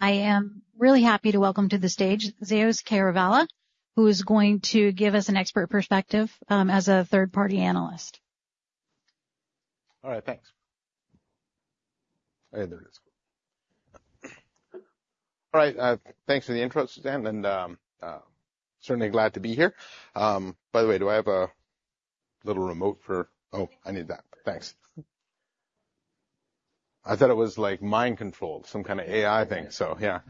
I am really happy to welcome to the stage Zeus Kerravala, who is going to give us an expert perspective as a third-party analyst. All right. Thanks. All right. Thanks for the intro, Suzanne. And certainly glad to be here. By the way, do I have a little remote? Oh, I need that. Thanks. I thought it was like mind control, some kind of AI thing. So yeah.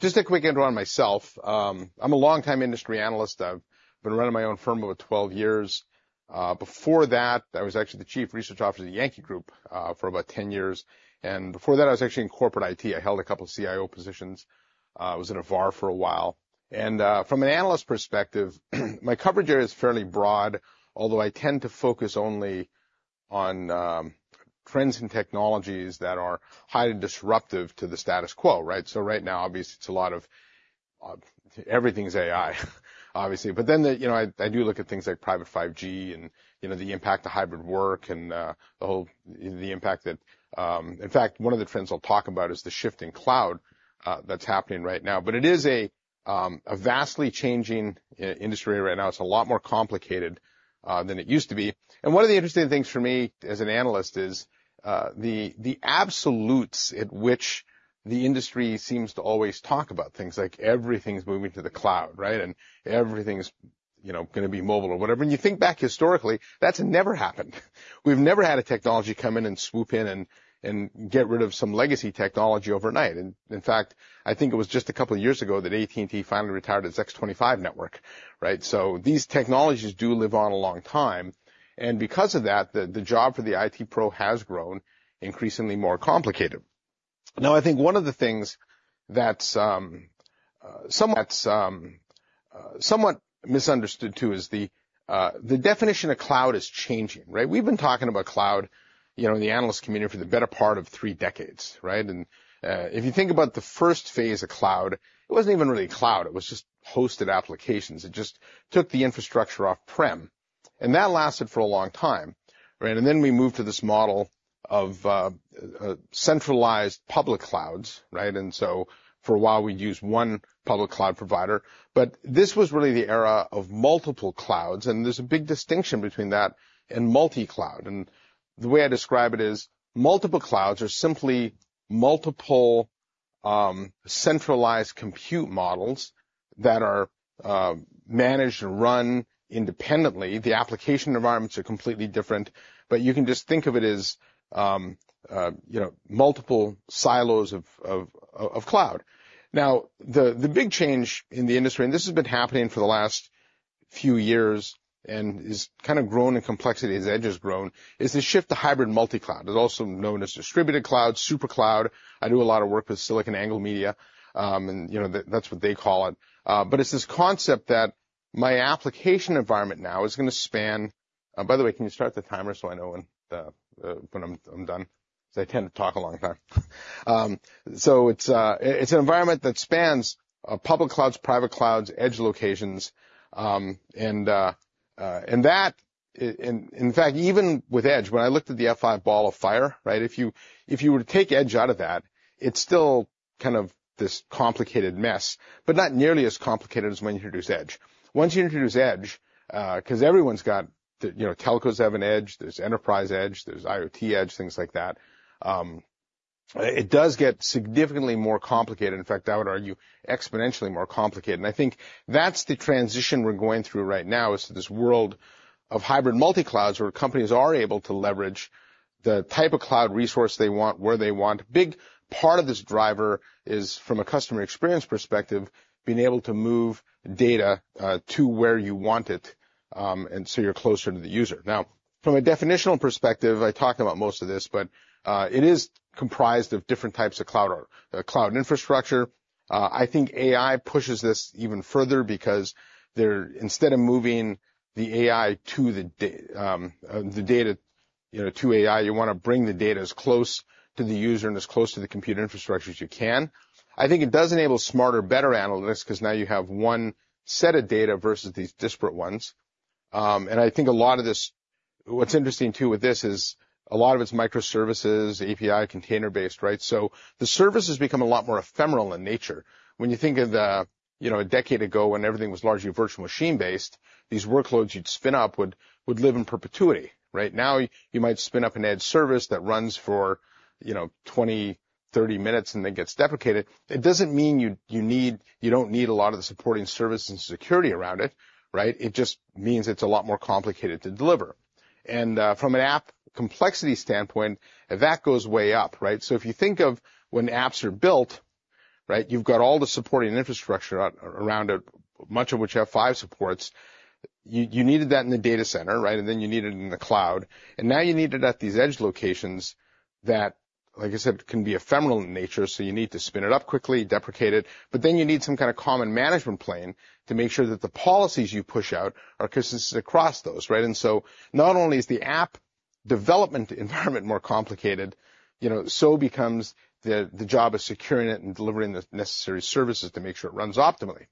Just a quick intro on myself. I'm a long-time industry analyst. I've been running my own firm over 12 years. Before that, I was actually the chief research officer at Yankee Group for about 10 years. And before that, I was actually in corporate IT. I held a couple of CIO positions. I was in a VAR for a while. And from an analyst perspective, my coverage area is fairly broad, although I tend to focus only on trends and technologies that are highly disruptive to the status quo, right? So right now, obviously, it's a lot of everything's AI, obviously. But then I do look at things like Private 5G and the impact of hybrid work and the whole impact that in fact, one of the trends I'll talk about is the shift in cloud that's happening right now. But it is a vastly changing industry right now. It's a lot more complicated than it used to be. And one of the interesting things for me as an analyst is the absolutes at which the industry seems to always talk about things. Like everything's moving to the cloud, right? And everything's going to be mobile or whatever. And you think back historically, that's never happened. We've never had a technology come in and swoop in and get rid of some legacy technology overnight. And in fact, I think it was just a couple of years ago that AT&T finally retired its X.25 network, right? So these technologies do live on a long time. And because of that, the job for the IT pro has grown increasingly more complicated. Now, I think one of the things that's somewhat misunderstood too is the definition of cloud is changing, right? We've been talking about cloud in the analyst community for the better part of three decades, right? And if you think about the first phase of cloud, it wasn't even really cloud. It was just hosted applications. It just took the infrastructure off-prem. And that lasted for a long time, right? And then we moved to this model of centralized public clouds, right? And so for a while, we'd use one public cloud provider. But this was really the era of multiple clouds. And there's a big distinction between that and multi-cloud. The way I describe it is multiple clouds are simply multiple centralized compute models that are managed and run independently. The application environments are completely different. But you can just think of it as multiple silos of cloud. Now, the big change in the industry and this has been happening for the last few years and has kind of grown in complexity as edge has grown is the shift to hybrid multi-cloud. It's also known as Distributed Cloud, Supercloud. I do a lot of work with SiliconANGLE Media. And that's what they call it. But it's this concept that my application environment now is going to span by the way, can you start the timer so I know when I'm done? Because I tend to talk a long time. So it's an environment that spans public clouds, private clouds, edge locations. That in fact, even with edge, when I looked at the F5 Ball of Fire, right? If you were to take edge out of that, it's still kind of this complicated mess, but not nearly as complicated as when you introduce edge. Once you introduce edge because everyone's got telcos have an edge, there's enterprise edge, there's IoT edge, things like that. It does get significantly more complicated. In fact, I would argue exponentially more complicated. And I think that's the transition we're going through right now is to this world of hybrid multi-clouds where companies are able to leverage the type of cloud resource they want, where they want. A big part of this driver is from a customer experience perspective, being able to move data to where you want it and so you're closer to the user. Now, from a definitional perspective, I talk about most of this, but it is comprised of different types of cloud infrastructure. I think AI pushes this even further because instead of moving the AI to the data to AI, you want to bring the data as close to the user and as close to the compute infrastructure as you can. I think it does enable smarter, better analytics because now you have one set of data versus these disparate ones. And I think a lot of this what's interesting too with this is a lot of it's microservices, API, container-based, right? So the service has become a lot more ephemeral in nature. When you think of a decade ago when everything was largely virtual machine-based, these workloads you'd spin up would live in perpetuity, right? Now you might spin up an edge service that runs for 20, 30 minutes and then gets deprecated. It doesn't mean you don't need a lot of the supporting service and security around it, right? It just means it's a lot more complicated to deliver. From an app complexity standpoint, that goes way up, right? So if you think of when apps are built, right? You've got all the supporting infrastructure around it, much of which F5 supports. You needed that in the data center, right? Then you needed it in the cloud. Now you need it at these edge locations that, like I said, can be ephemeral in nature. So you need to spin it up quickly, deprecate it. But then you need some kind of common management plane to make sure that the policies you push out are consistent across those, right? So not only is the app development environment more complicated, so becomes the job of securing it and delivering the necessary services to make sure it runs optimally.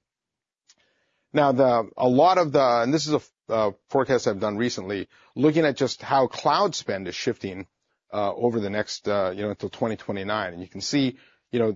Now, a lot of this is a forecast I've done recently looking at just how cloud spend is shifting over the next until 2029. You can see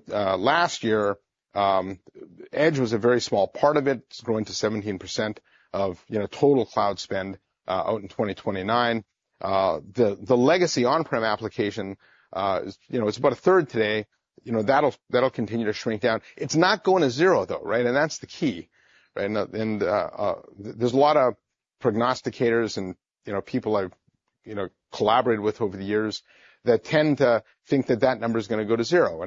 last year, edge was a very small part of it. It's grown to 17% of total cloud spend out in 2029. The legacy on-prem application, it's about a third today. That'll continue to shrink down. It's not going to zero though, right? That's the key, right? There's a lot of prognosticators and people I've collaborated with over the years that tend to think that that number is going to go to zero.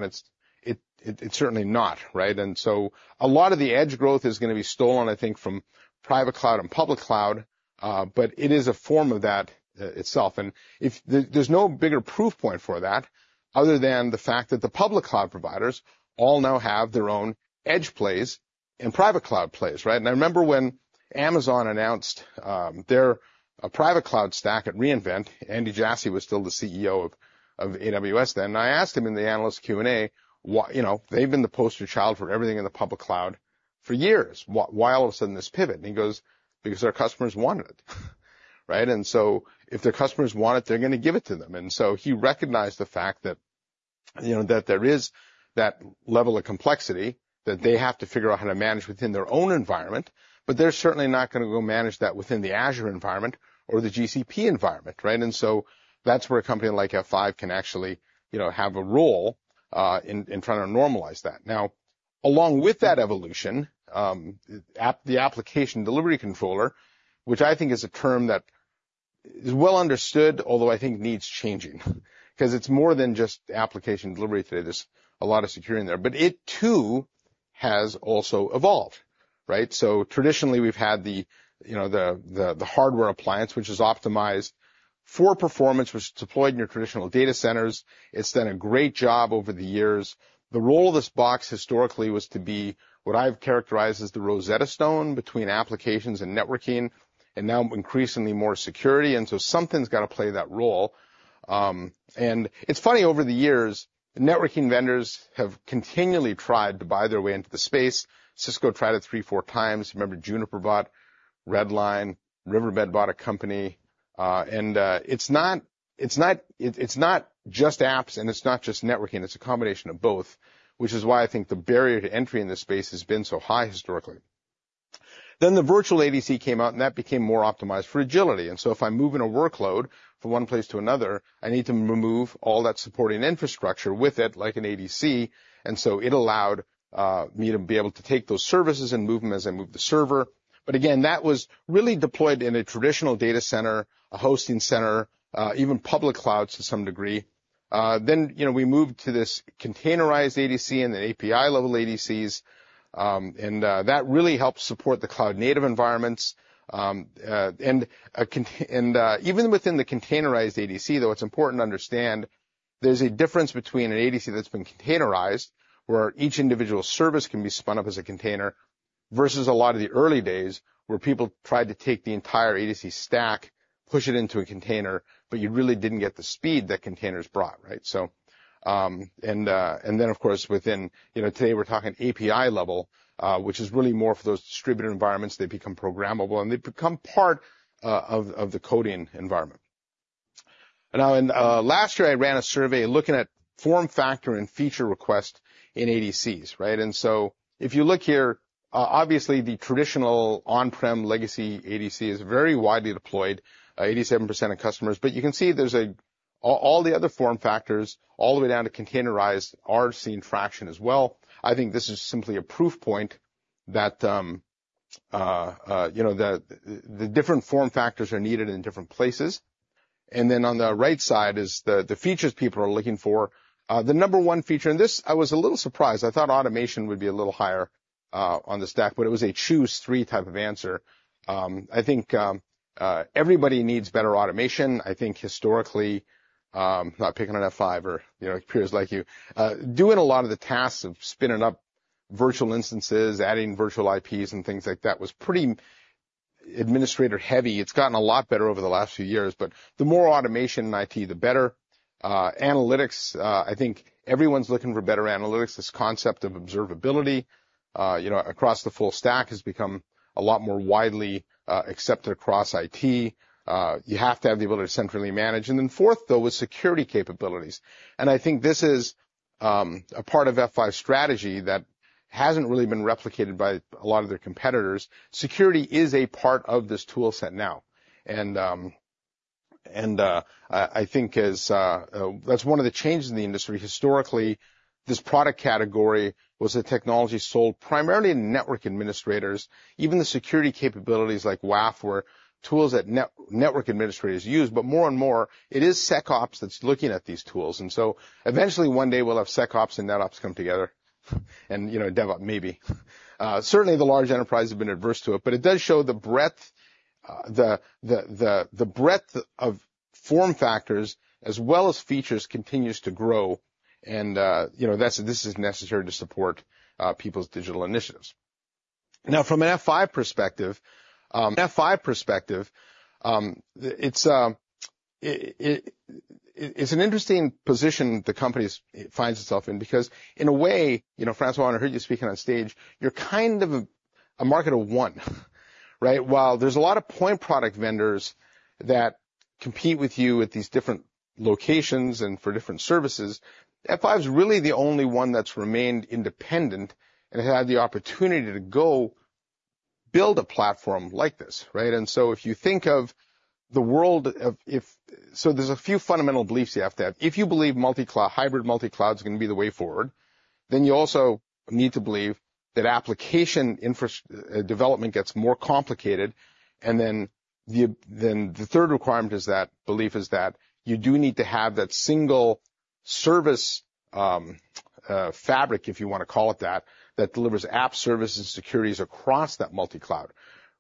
It's certainly not, right? So a lot of the edge growth is going to be stolen, I think, from private cloud and public cloud. But it is a form of that itself. There's no bigger proof point for that other than the fact that the public cloud providers all now have their own edge plays and private cloud plays, right? I remember when Amazon announced their private cloud stack at re:Invent, Andy Jassy was still the CEO of AWS then. I asked him in the analyst Q&A, they've been the poster child for everything in the public cloud for years. Why all of a sudden this pivot? He goes, because our customers wanted it, right? So if their customers want it, they're going to give it to them. And so he recognized the fact that there is that level of complexity that they have to figure out how to manage within their own environment. But they're certainly not going to go manage that within the Azure environment or the GCP environment, right? And so that's where a company like F5 can actually have a role in trying to normalize that. Now, along with that evolution, the application delivery controller, which I think is a term that is well understood, although I think needs changing because it's more than just application delivery today. There's a lot of security in there. But it too has also evolved, right? So traditionally, we've had the hardware appliance, which is optimized for performance, which is deployed in your traditional data centers. It's done a great job over the years. The role of this box historically was to be what I've characterized as the Rosetta Stone between applications and networking and now increasingly more security. So something's got to play that role. And it's funny, over the years, networking vendors have continually tried to buy their way into the space. Cisco tried it 3, 4 times. You remember Juniper bought Redline. Riverbed bought a company. And it's not just apps and it's not just networking. It's a combination of both, which is why I think the barrier to entry in this space has been so high historically. Then the virtual ADC came out and that became more optimized for agility. So if I move in a workload from one place to another, I need to remove all that supporting infrastructure with it like an ADC. And so it allowed me to be able to take those services and move them as I move the server. But again, that was really deployed in a traditional data center, a hosting center, even public clouds to some degree. Then we moved to this containerized ADC and then API-level ADCs. And that really helped support the cloud-native environments. And even within the containerized ADC though, it's important to understand there's a difference between an ADC that's been containerized where each individual service can be spun up as a container versus a lot of the early days where people tried to take the entire ADC stack, push it into a container, but you really didn't get the speed that containers brought, right? And then of course, within today we're talking API level, which is really more for those distributed environments. They become programmable and they become part of the coding environment. Now, last year I ran a survey looking at form factor and feature request in ADCs, right? And so if you look here, obviously the traditional on-prem legacy ADC is very widely deployed, 87% of customers. But you can see there's all the other form factors all the way down to containerized are seen fraction as well. I think this is simply a proof point that the different form factors are needed in different places. And then on the right side is the features people are looking for. The number one feature and this I was a little surprised. I thought automation would be a little higher on the stack, but it was a choose three type of answer. I think everybody needs better automation. I think historically, not picking on F5 or peers like you, doing a lot of the tasks of spinning up virtual instances, adding virtual IPs and things like that was pretty administrator heavy. It's gotten a lot better over the last few years, but the more automation in IT, the better. Analytics, I think everyone's looking for better analytics. This concept of observability across the full stack has become a lot more widely accepted across IT. You have to have the ability to centrally manage. And then fourth though was security capabilities. And I think this is a part of F5's strategy that hasn't really been replicated by a lot of their competitors. Security is a part of this tool set now. And I think as that's one of the changes in the industry. Historically, this product category was a technology sold primarily in network administrators. Even the security capabilities like WAF were tools that network administrators used. But more and more, it is SecOps that's looking at these tools. So eventually one day we'll have SecOps and NetOps come together and DevOps maybe. Certainly, the large enterprises have been adverse to it, but it does show the breadth of form factors as well as features continues to grow. This is necessary to support people's digital initiatives. Now, from an F5 perspective. F5 perspective, it's an interesting position the companies find itself in because in a way, you know François, I heard you speaking on stage, you're kind of a market of one, right? While there's a lot of point product vendors that compete with you at these different locations and for different services, F5's really the only one that's remained independent and has had the opportunity to go build a platform like this, right? So if you think of the world of F5, so there's a few fundamental beliefs you have to have. If you believe hybrid multi-cloud's going to be the way forward, then you also need to believe that application development gets more complicated. And then the third requirement is that belief is that you do need to have that single service fabric, if you want to call it that, that delivers app services and security across that multi-cloud,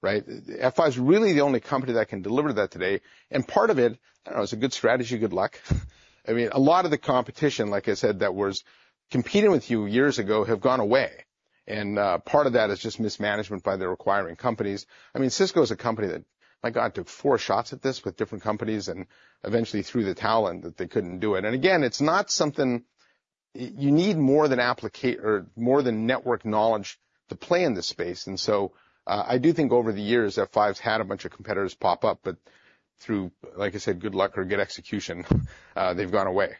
right? F5's really the only company that can deliver that today. And part of it, I don't know, it's a good strategy, good luck. I mean, a lot of the competition, like I said, that was competing with you years ago have gone away. And part of that is just mismanagement by the acquiring companies. I mean, Cisco is a company that, my God, took four shots at this with different companies and eventually threw in the towel and that they couldn't do it. And again, it's not something you need more than network knowledge to play in this space. And so I do think over the years F5's had a bunch of competitors pop up, but through, like I said, good luck or good execution, they've gone away.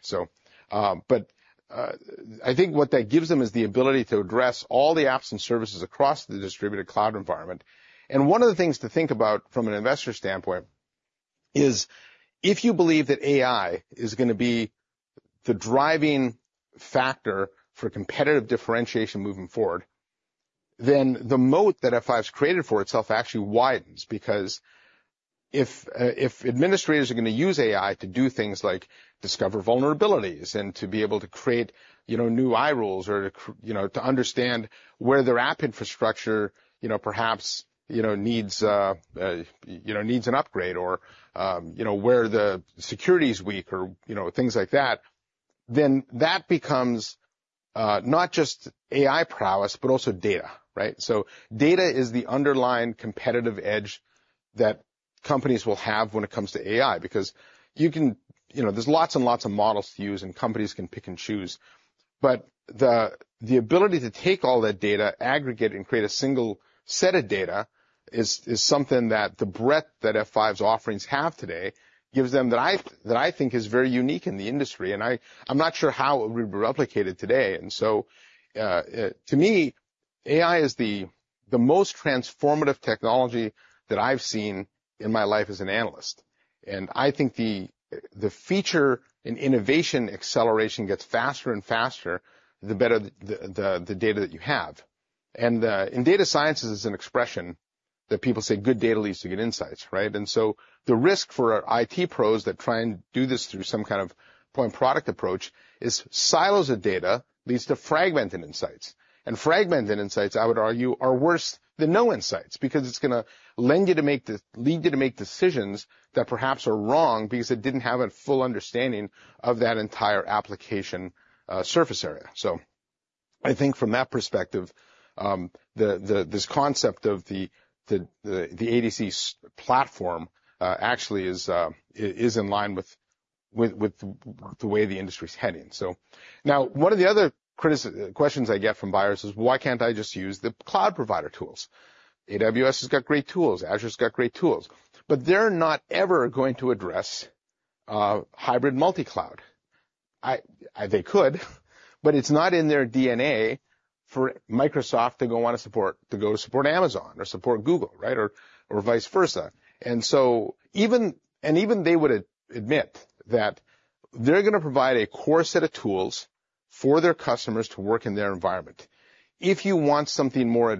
But I think what that gives them is the ability to address all the apps and services across the Distributed Cloud environment. One of the things to think about from an investor standpoint is if you believe that AI is going to be the driving factor for competitive differentiation moving forward, then the moat that F5's created for itself actually widens because if administrators are going to use AI to do things like discover vulnerabilities and to be able to create new iRules or to understand where their app infrastructure perhaps needs an upgrade or where the security's weak or things like that, then that becomes not just AI prowess, but also data, right? So data is the underlying competitive edge that companies will have when it comes to AI because there's lots and lots of models to use and companies can pick and choose. But the ability to take all that data, aggregate and create a single set of data is something that the breadth that F5's offerings have today gives them that I think is very unique in the industry. And I'm not sure how it would be replicated today. And so to me, AI is the most transformative technology that I've seen in my life as an analyst. And I think the feature and innovation acceleration gets faster and faster, the better the data that you have. And in data sciences, it's an expression that people say good data leads to good insights, right? And so the risk for IT pros that try and do this through some kind of point product approach is silos of data leads to fragmented insights. Fragmented insights, I would argue, are worse than no insights because it's going to lead you to make decisions that perhaps are wrong because it didn't have a full understanding of that entire application surface area. I think from that perspective, this concept of the ADC platform actually is in line with the way the industry's heading. Now, one of the other questions I get from buyers is why can't I just use the cloud provider tools? AWS has got great tools. Azure's got great tools. But they're not ever going to address hybrid multi-cloud. They could, but it's not in their DNA for Microsoft to go want to support to go to support Amazon or support Google, right? Or vice versa. And even they would admit that they're going to provide a core set of tools for their customers to work in their environment. If you want something more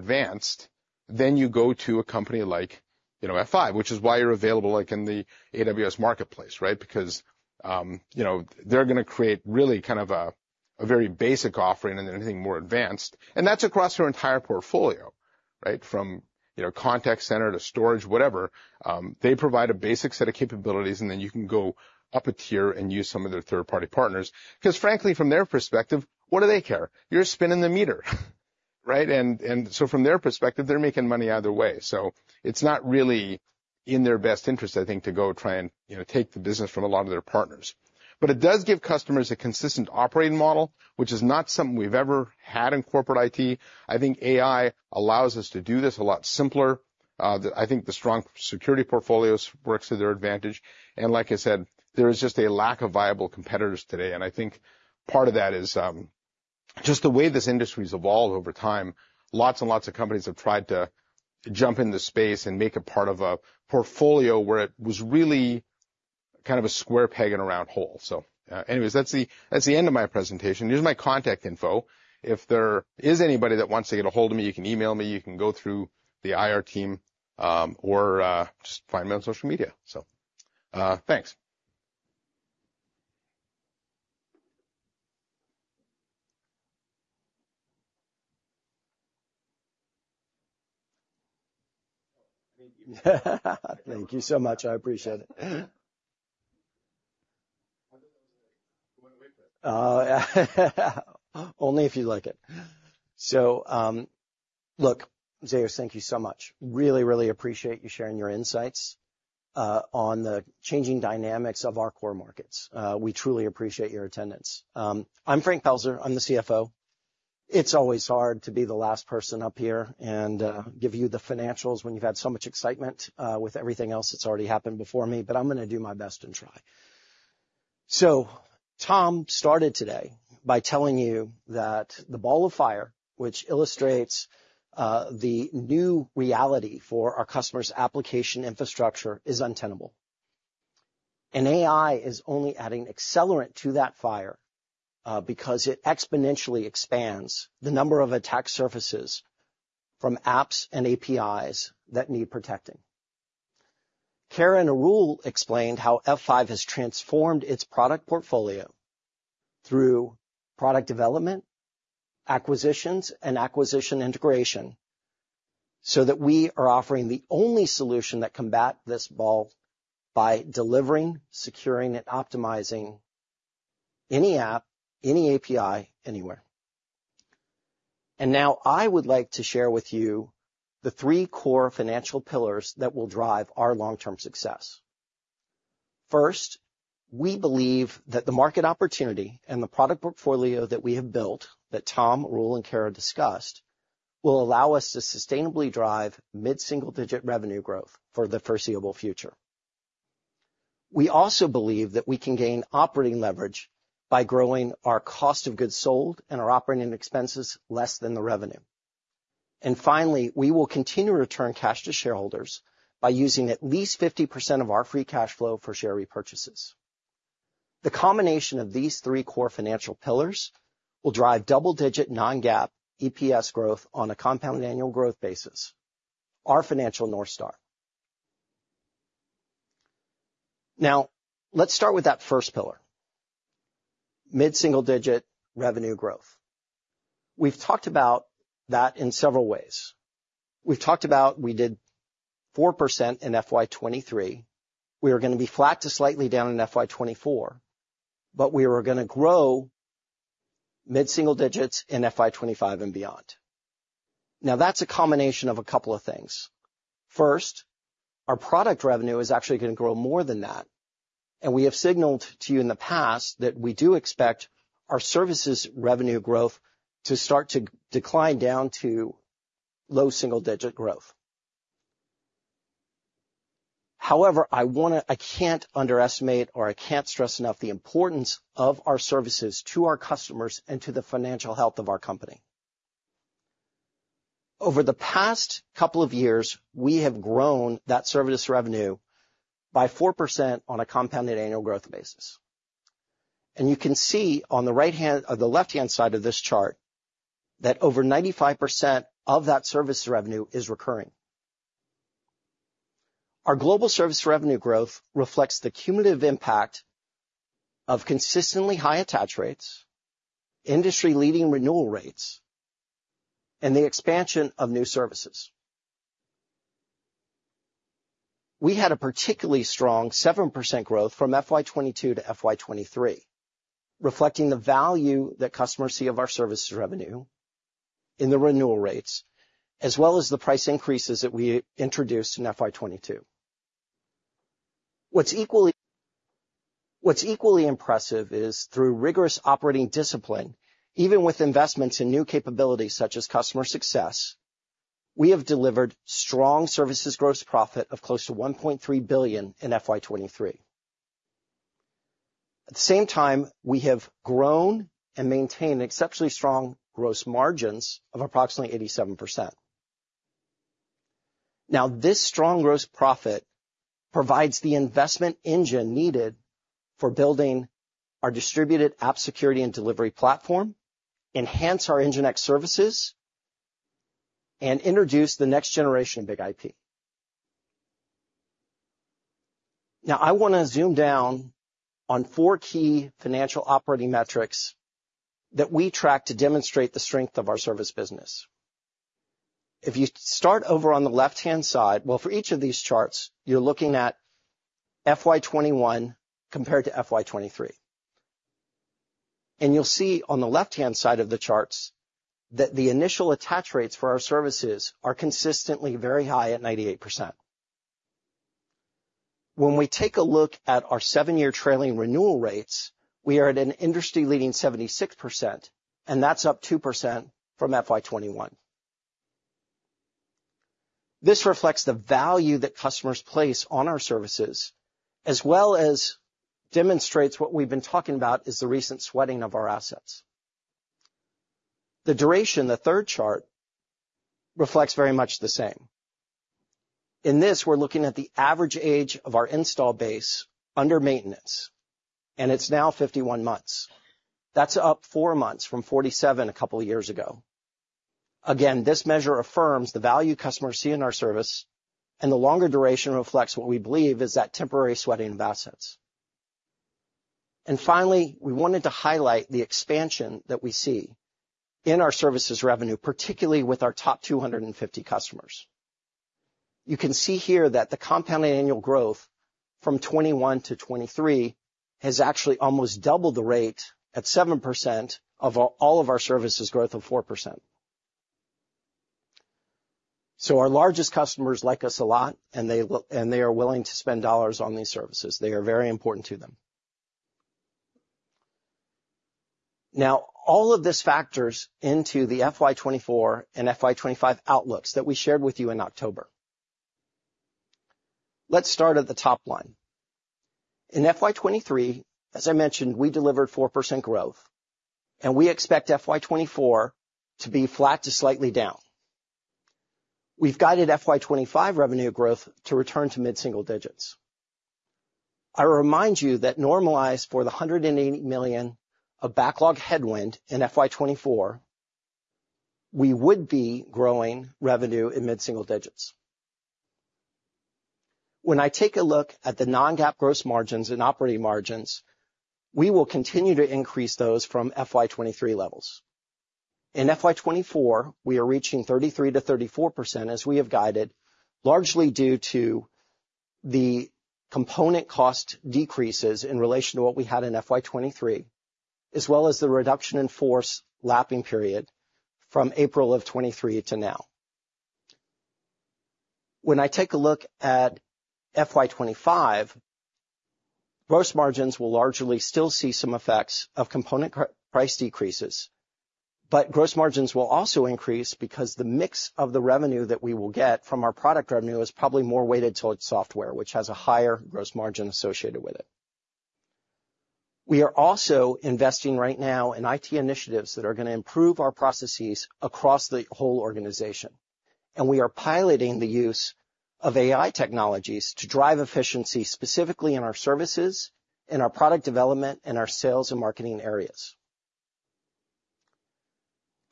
advanced, then you go to a company like F5, which is why you're available in the AWS marketplace, right? Because they're going to create really kind of a very basic offering and then anything more advanced. And that's across their entire portfolio, right? From contact center to storage, whatever. They provide a basic set of capabilities and then you can go up a tier and use some of their third-party partners. Because frankly, from their perspective, what do they care? You're spinning the meter, right? And so from their perspective, they're making money either way. So it's not really in their best interest, I think, to go try and take the business from a lot of their partners. But it does give customers a consistent operating model, which is not something we've ever had in corporate IT. I think AI allows us to do this a lot simpler. I think the strong security portfolio works to their advantage. Like I said, there is just a lack of viable competitors today. I think part of that is just the way this industry's evolved over time. Lots and lots of companies have tried to jump in the space and make a part of a portfolio where it was really kind of a square peg and a round hole. So anyways, that's the end of my presentation. Here's my contact info. If there is anybody that wants to get a hold of me, you can email me. You can go through the IR team or just find me on social media. So thanks. Thank you so much. I appreciate it. Only if you like it. So look, Zeus, thank you so much. Really, really appreciate you sharing your insights on the changing dynamics of our core markets. We truly appreciate your attendance. I'm Frank Pelzer. I'm the CFO. It's always hard to be the last person up here and give you the financials when you've had so much excitement with everything else that's already happened before me. But I'm going to do my best and try. So Tom started today by telling you that the Ball of Fire, which illustrates the new reality for our customers' application infrastructure, is untenable. And AI is only adding accelerant to that fire because it exponentially expands the number of attack surfaces from apps and APIs that need protecting. Kara and Arul explained how F5 has transformed its product portfolio through product development, acquisitions, and acquisition integration so that we are offering the only solution that combats the sprawl by delivering, securing, and optimizing any app, any API, anywhere. Now I would like to share with you the three core financial pillars that will drive our long-term success. First, we believe that the market opportunity and the product portfolio that we have built that Tom, Arul, and Kara discussed will allow us to sustainably drive mid-single-digit revenue growth for the foreseeable future. We also believe that we can gain operating leverage by growing our cost of goods sold and our operating expenses less than the revenue. Finally, we will continue to return cash to shareholders by using at least 50% of our free cash flow for share repurchases. The combination of these three core financial pillars will drive double-digit non-GAAP EPS growth on a compound annual growth basis. Our financial North Star. Now, let's start with that first pillar, mid-single-digit revenue growth. We've talked about that in several ways. We've talked about we did 4% in FY23. We are going to be flat to slightly down in FY24, but we are going to grow mid-single digits in FY25 and beyond. Now, that's a combination of a couple of things. First, our product revenue is actually going to grow more than that. And we have signaled to you in the past that we do expect our services revenue growth to start to decline down to low single-digit growth. However, I can't underestimate or I can't stress enough the importance of our services to our customers and to the financial health of our company. Over the past couple of years, we have grown that service revenue by 4% on a compounded annual growth basis. And you can see on the left-hand side of this chart that over 95% of that service revenue is recurring. Our global service revenue growth reflects the cumulative impact of consistently high attach rates, industry-leading renewal rates, and the expansion of new services. We had a particularly strong 7% growth from FY22 to FY23, reflecting the value that customers see of our services revenue in the renewal rates, as well as the price increases that we introduced in FY22. What's equally impressive is, through rigorous operating discipline, even with investments in new capabilities such as customer success, we have delivered strong services gross profit of close to $1.3 billion in FY23. At the same time, we have grown and maintained exceptionally strong gross margins of approximately 87%. Now, this strong gross profit provides the investment engine needed for building our Distributed App Security and Delivery Platform, enhance our NGINX services, and introduce the next generation of BIG-IP. Now, I want to zoom down on four key financial operating metrics that we track to demonstrate the strength of our service business. If you start over on the left-hand side, well, for each of these charts, you're looking at FY21 compared to FY23. You'll see on the left-hand side of the charts that the initial attach rates for our services are consistently very high at 98%. When we take a look at our seven-year trailing renewal rates, we are at an industry-leading 76%, and that's up 2% from FY21. This reflects the value that customers place on our services, as well as demonstrates what we've been talking about is the recent sweating of our assets. The duration, the third chart, reflects very much the same. In this, we're looking at the average age of our install base under maintenance, and it's now 51 months. That's up 4 months from 47 a couple of years ago. Again, this measure affirms the value customers see in our service, and the longer duration reflects what we believe is that temporary sweating of assets. And finally, we wanted to highlight the expansion that we see in our services revenue, particularly with our top 250 customers. You can see here that the compounded annual growth from 2021 to 2023 has actually almost doubled the rate at 7% of all of our services growth of 4%. So our largest customers like us a lot, and they are willing to spend dollars on these services. They are very important to them. Now, all of this factors into the FY24 and FY25 outlooks that we shared with you in October. Let's start at the top line. In FY23, as I mentioned, we delivered 4% growth, and we expect FY24 to be flat to slightly down. We've guided FY25 revenue growth to return to mid-single digits. I remind you that normalized for the $180 million of backlog headwind in FY24, we would be growing revenue in mid-single digits. When I take a look at the Non-GAAP gross margins and operating margins, we will continue to increase those from FY23 levels. In FY24, we are reaching 33%-34% as we have guided, largely due to the component cost decreases in relation to what we had in FY23, as well as the reduction in force lapping period from April of 2023 to now. When I take a look at FY25, gross margins will largely still see some effects of component price decreases, but gross margins will also increase because the mix of the revenue that we will get from our product revenue is probably more weighted towards software, which has a higher gross margin associated with it. We are also investing right now in IT initiatives that are going to improve our processes across the whole organization. We are piloting the use of AI technologies to drive efficiency specifically in our services, in our product development, and our sales and marketing areas.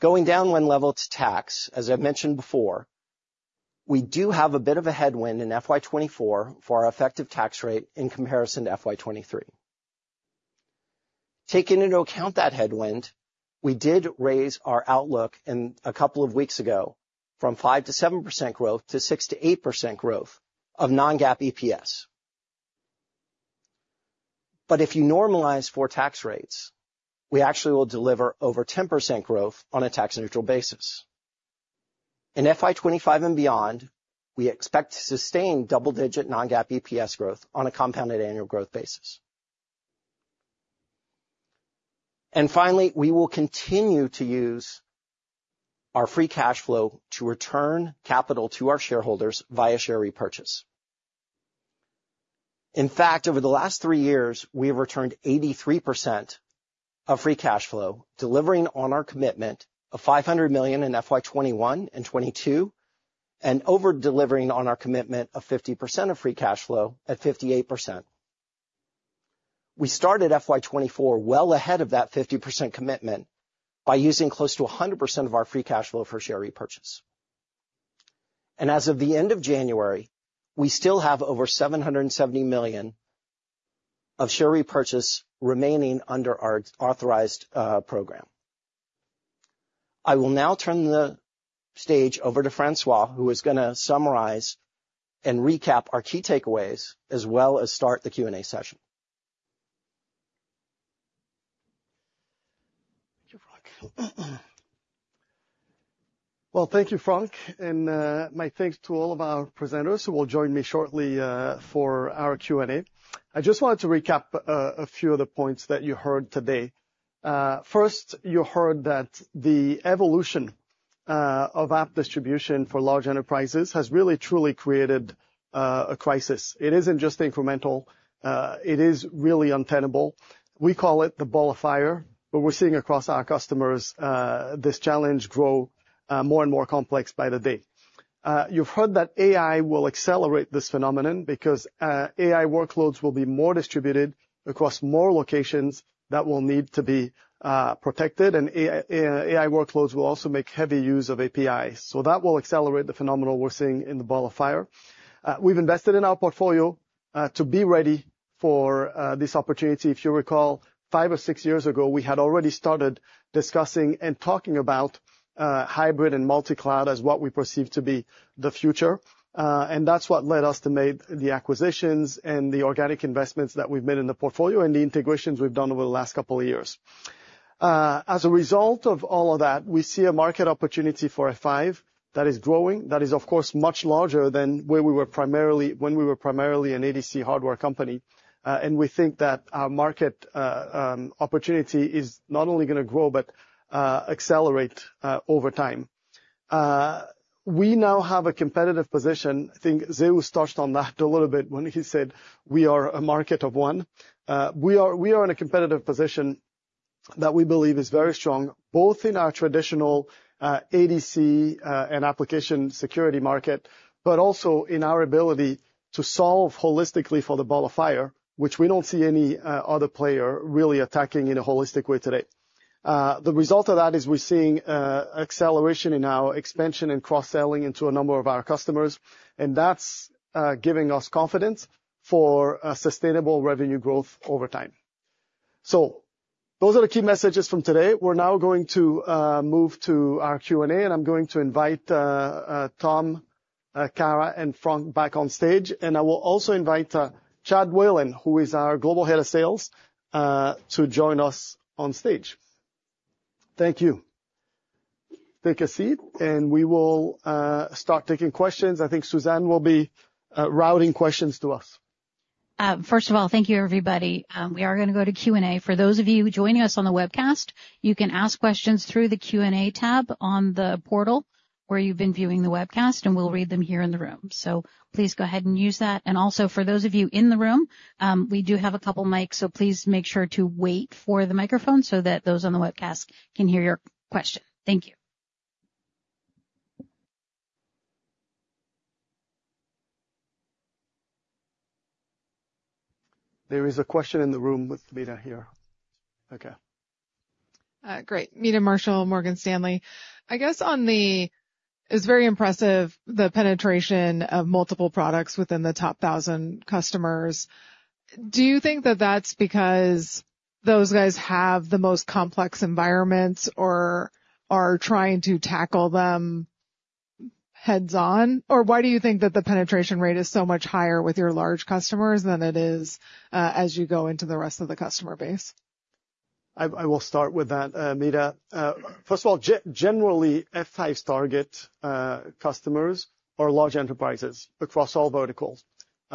Going down one level to tax, as I've mentioned before, we do have a bit of a headwind in FY24 for our effective tax rate in comparison to FY23. Taking into account that headwind, we did raise our outlook a couple of weeks ago from 5%-7% growth to 6%-8% growth of non-GAAP EPS. But if you normalize for tax rates, we actually will deliver over 10% growth on a tax-neutral basis. In FY25 and beyond, we expect to sustain double-digit non-GAAP EPS growth on a compounded annual growth basis. And finally, we will continue to use our free cash flow to return capital to our shareholders via share repurchase. In fact, over the last 3 years, we have returned 83% of free cash flow, delivering on our commitment of $500 million in FY21 and 2022, and over-delivering on our commitment of 50% of free cash flow at 58%. We started FY2024 well ahead of that 50% commitment by using close to 100% of our free cash flow for share repurchase. As of the end of January, we still have over $770 million of share repurchase remaining under our authorized program. I will now turn the stage over to François, who is going to summarize and recap our key takeaways, as well as start the Q&A session. Thank you, Frank. Well, thank you, Frank. My thanks to all of our presenters who will join me shortly for our Q&A. I just wanted to recap a few of the points that you heard today. First, you heard that the evolution of app distribution for large enterprises has really, truly created a crisis. It isn't just incremental. It is really untenable. We call it the Ball of Fire, but we're seeing across our customers this challenge grow more and more complex by the day. You've heard that AI will accelerate this phenomenon because AI workloads will be more distributed across more locations that will need to be protected, and AI workloads will also make heavy use of APIs. So that will accelerate the phenomenon we're seeing in the Ball of Fire. We've invested in our portfolio to be ready for this opportunity. If you recall, 5 or 6 years ago, we had already started discussing and talking about hybrid and multi-cloud as what we perceive to be the future. That's what led us to make the acquisitions and the organic investments that we've made in the portfolio and the integrations we've done over the last couple of years. As a result of all of that, we see a market opportunity for F5 that is growing, that is, of course, much larger than where we were primarily when we were primarily an ADC hardware company. We think that our market opportunity is not only going to grow but accelerate over time. We now have a competitive position. I think Zeus touched on that a little bit when he said, "We are a market of one." We are in a competitive position that we believe is very strong, both in our traditional ADC and application security market, but also in our ability to solve holistically for the Ball of Fire, which we don't see any other player really attacking in a holistic way today. The result of that is we're seeing acceleration in our expansion and cross-selling into a number of our customers, and that's giving us confidence for sustainable revenue growth over time. So those are the key messages from today. We're now going to move to our Q&A, and I'm going to invite Tom, Kara, and Frank back on stage. I will also invite Chad Whalen, who is our global head of sales, to join us on stage. Thank you. Take a seat, and we will start taking questions. I think Suzanne will be routing questions to us. First of all, thank you, everybody. We are going to go to Q&A. For those of you joining us on the webcast, you can ask questions through the Q&A tab on the portal where you've been viewing the webcast, and we'll read them here in the room. So please go ahead and use that. And also, for those of you in the room, we do have a couple mics, so please make sure to wait for the microphone so that those on the webcast can hear your question. Thank you. There is a question in the room with Mina here. Okay. Great. Meta Marshall, Morgan Stanley. I guess it's very impressive, the penetration of multiple products within the top 1,000 customers. Do you think that that's because those guys have the most complex environments or are trying to tackle them heads-on? Or why do you think that the penetration rate is so much higher with your large customers than it is as you go into the rest of the customer base? I will start with that, Mina. First of all, generally, F5 target customers are large enterprises across all verticals.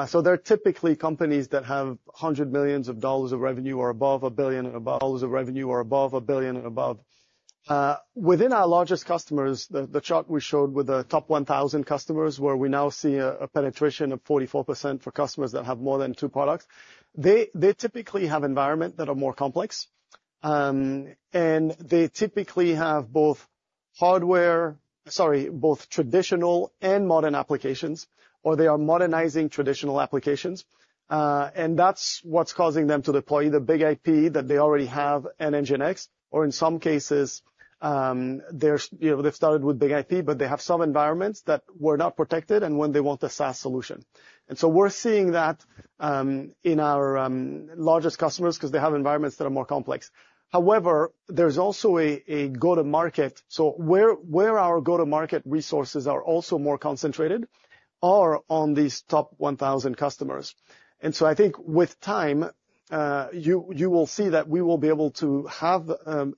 So they're typically companies that have hundreds of millions of dollars of revenue or above $1 billion and above dollars of revenue or above $1 billion and above. Within our largest customers, the chart we showed with the top 1,000 customers where we now see a penetration of 44% for customers that have more than 2 products, they typically have environments that are more complex. They typically have both traditional and modern applications, or they are modernizing traditional applications. That's what's causing them to deploy the BIG-IP that they already have and NGINX, or in some cases, they've started with BIG-IP, but they have some environments that were not protected and wanted a SaaS solution. We're seeing that in our largest customers because they have environments that are more complex. However, there's also a go-to-market. So where our go-to-market resources are also more concentrated are on these top 1,000 customers. And so I think with time, you will see that we will be able to have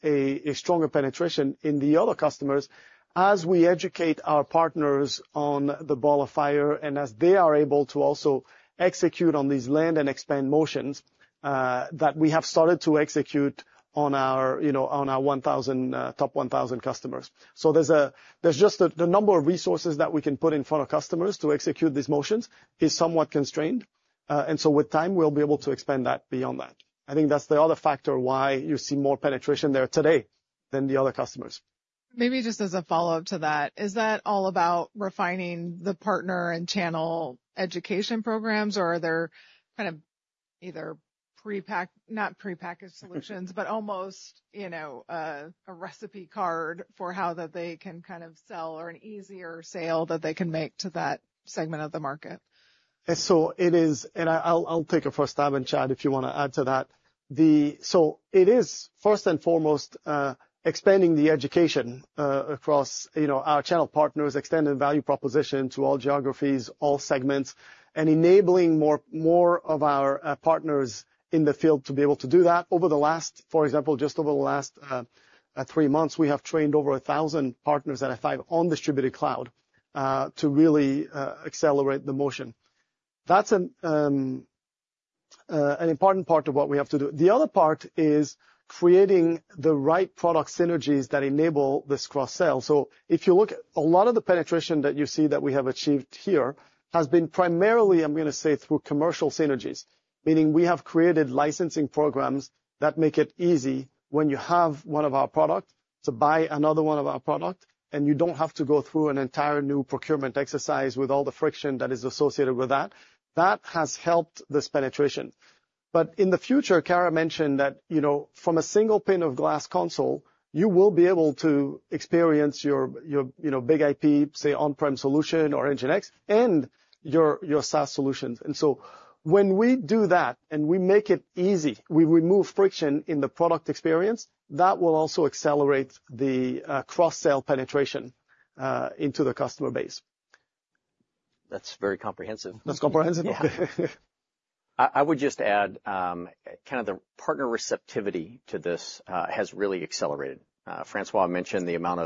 a stronger penetration in the other customers as we educate our partners on the Ball of Fire and as they are able to also execute on these land and expand motions that we have started to execute on our top 1,000 customers. So there's just the number of resources that we can put in front of customers to execute these motions is somewhat constrained. And so with time, we'll be able to expand that beyond that. I think that's the other factor why you see more penetration there today than the other customers. Maybe just as a follow-up to that, is that all about refining the partner and channel education programs, or are there kind of either prepackaged—not prepackaged solutions—but almost a recipe card for how that they can kind of sell or an easier sale that they can make to that segment of the market? And so it is, and I'll take a first stab in, Chad, if you want to add to that, so it is, first and foremost, expanding the education across our channel partners, extending value proposition to all geographies, all segments, and enabling more of our partners in the field to be able to do that. Over the last, for example, just over the last three months, we have trained over 1,000 partners at F5 on Distributed Cloud to really accelerate the motion. That's an important part of what we have to do. The other part is creating the right product synergies that enable this cross-sale. So if you look at a lot of the penetration that you see that we have achieved here has been primarily, I'm going to say, through commercial synergies, meaning we have created licensing programs that make it easy when you have one of our products to buy another one of our products, and you don't have to go through an entire new procurement exercise with all the friction that is associated with that. That has helped this penetration. But in the future, Kara mentioned that from a single pane of glass console, you will be able to experience your BIG-IP, say, on-prem solution or NGINX, and your SaaS solutions. And so when we do that and we make it easy, we remove friction in the product experience, that will also accelerate the cross-sale penetration into the customer base. That's very comprehensive. That's comprehensive? Yeah. I would just add kind of the partner receptivity to this has really accelerated. François mentioned the amount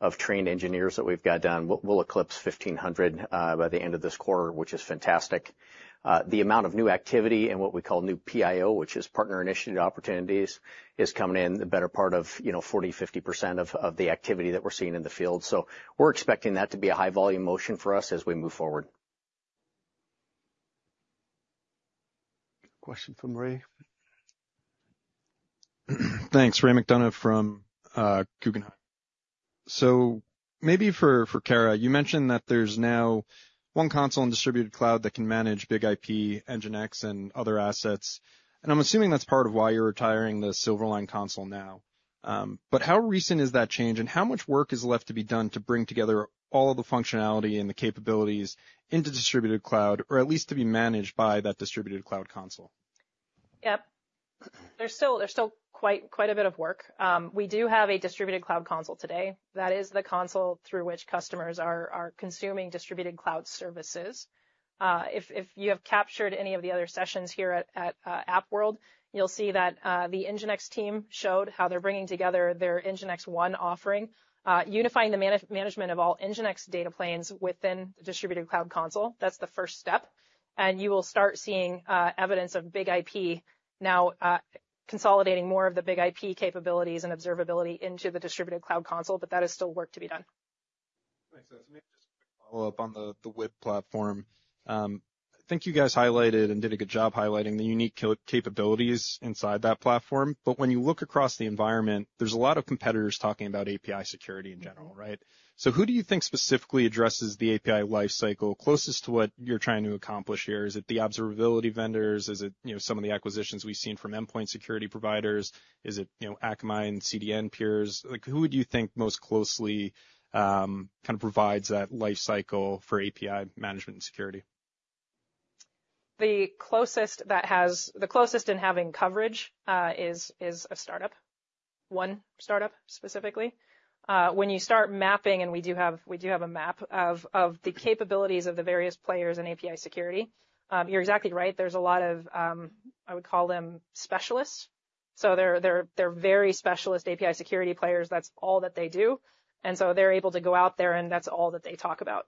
of trained engineers that we've got done. We'll eclipse 1,500 by the end of this quarter, which is fantastic. The amount of new activity and what we call new PIO, which is partner-initiated opportunities, is coming in the better part of 40%-50% of the activity that we're seeing in the field. So we're expecting that to be a high-volume motion for us as we move forward. Question from Ray. Thanks. Ray McDonough from Guggenheim. So maybe for Kara, you mentioned that there's now one console in Distributed Cloud that can manage BIG-IP, NGINX, and other assets. And I'm assuming that's part of why you're retiring the Silverline console now. But how recent is that change, and how much work is left to be done to bring together all of the functionality and the capabilities into Distributed Cloud, or at least to be managed by that Distributed Cloud console? Yep. There's still quite a bit of work. We do have a Distributed Cloud Console today. That is the console through which customers are consuming Distributed Cloud services. If you have captured any of the other sessions here at AppWorld, you'll see that the NGINX team showed how they're bringing together their NGINX One offering, unifying the management of all NGINX data planes within the Distributed Cloud Console. That's the first step. And you will start seeing evidence of BIG-IP now consolidating more of the BIG-IP capabilities and observability into the Distributed Cloud Console. But that is still work to be done. Thanks. So maybe just a quick follow-up on the web platform. I think you guys highlighted and did a good job highlighting the unique capabilities inside that platform. But when you look across the environment, there's a lot of competitors talking about API security in general, right? So who do you think specifically addresses the API lifecycle closest to what you're trying to accomplish here? Is it the observability vendors? Is it some of the acquisitions we've seen from endpoint security providers? Is it Akamai and CDN peers? Who would you think most closely kind of provides that lifecycle for API management and security? The closest that has the closest in having coverage is a startup, one startup specifically. When you start mapping, and we do have a map of the capabilities of the various players in API security, you're exactly right. There's a lot of, I would call them, specialists. So they're very specialist API security players. That's all that they do. And so they're able to go out there, and that's all that they talk about.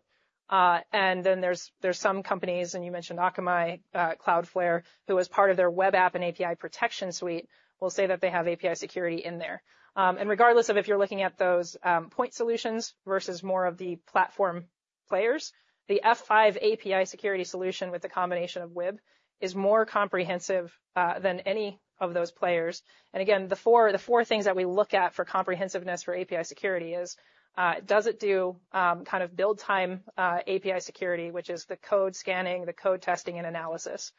And then there's some companies, and you mentioned Akamai, Cloudflare, who, as part of their Web App and API Protection suite, will say that they have API security in there. And regardless of if you're looking at those point solutions versus more of the platform players, the F5 API security solution with the combination of web is more comprehensive than any of those players. And again, the four things that we look at for comprehensiveness for API security are: does it do kind of build-time API security, which is the code scanning, the code testing, and analysis?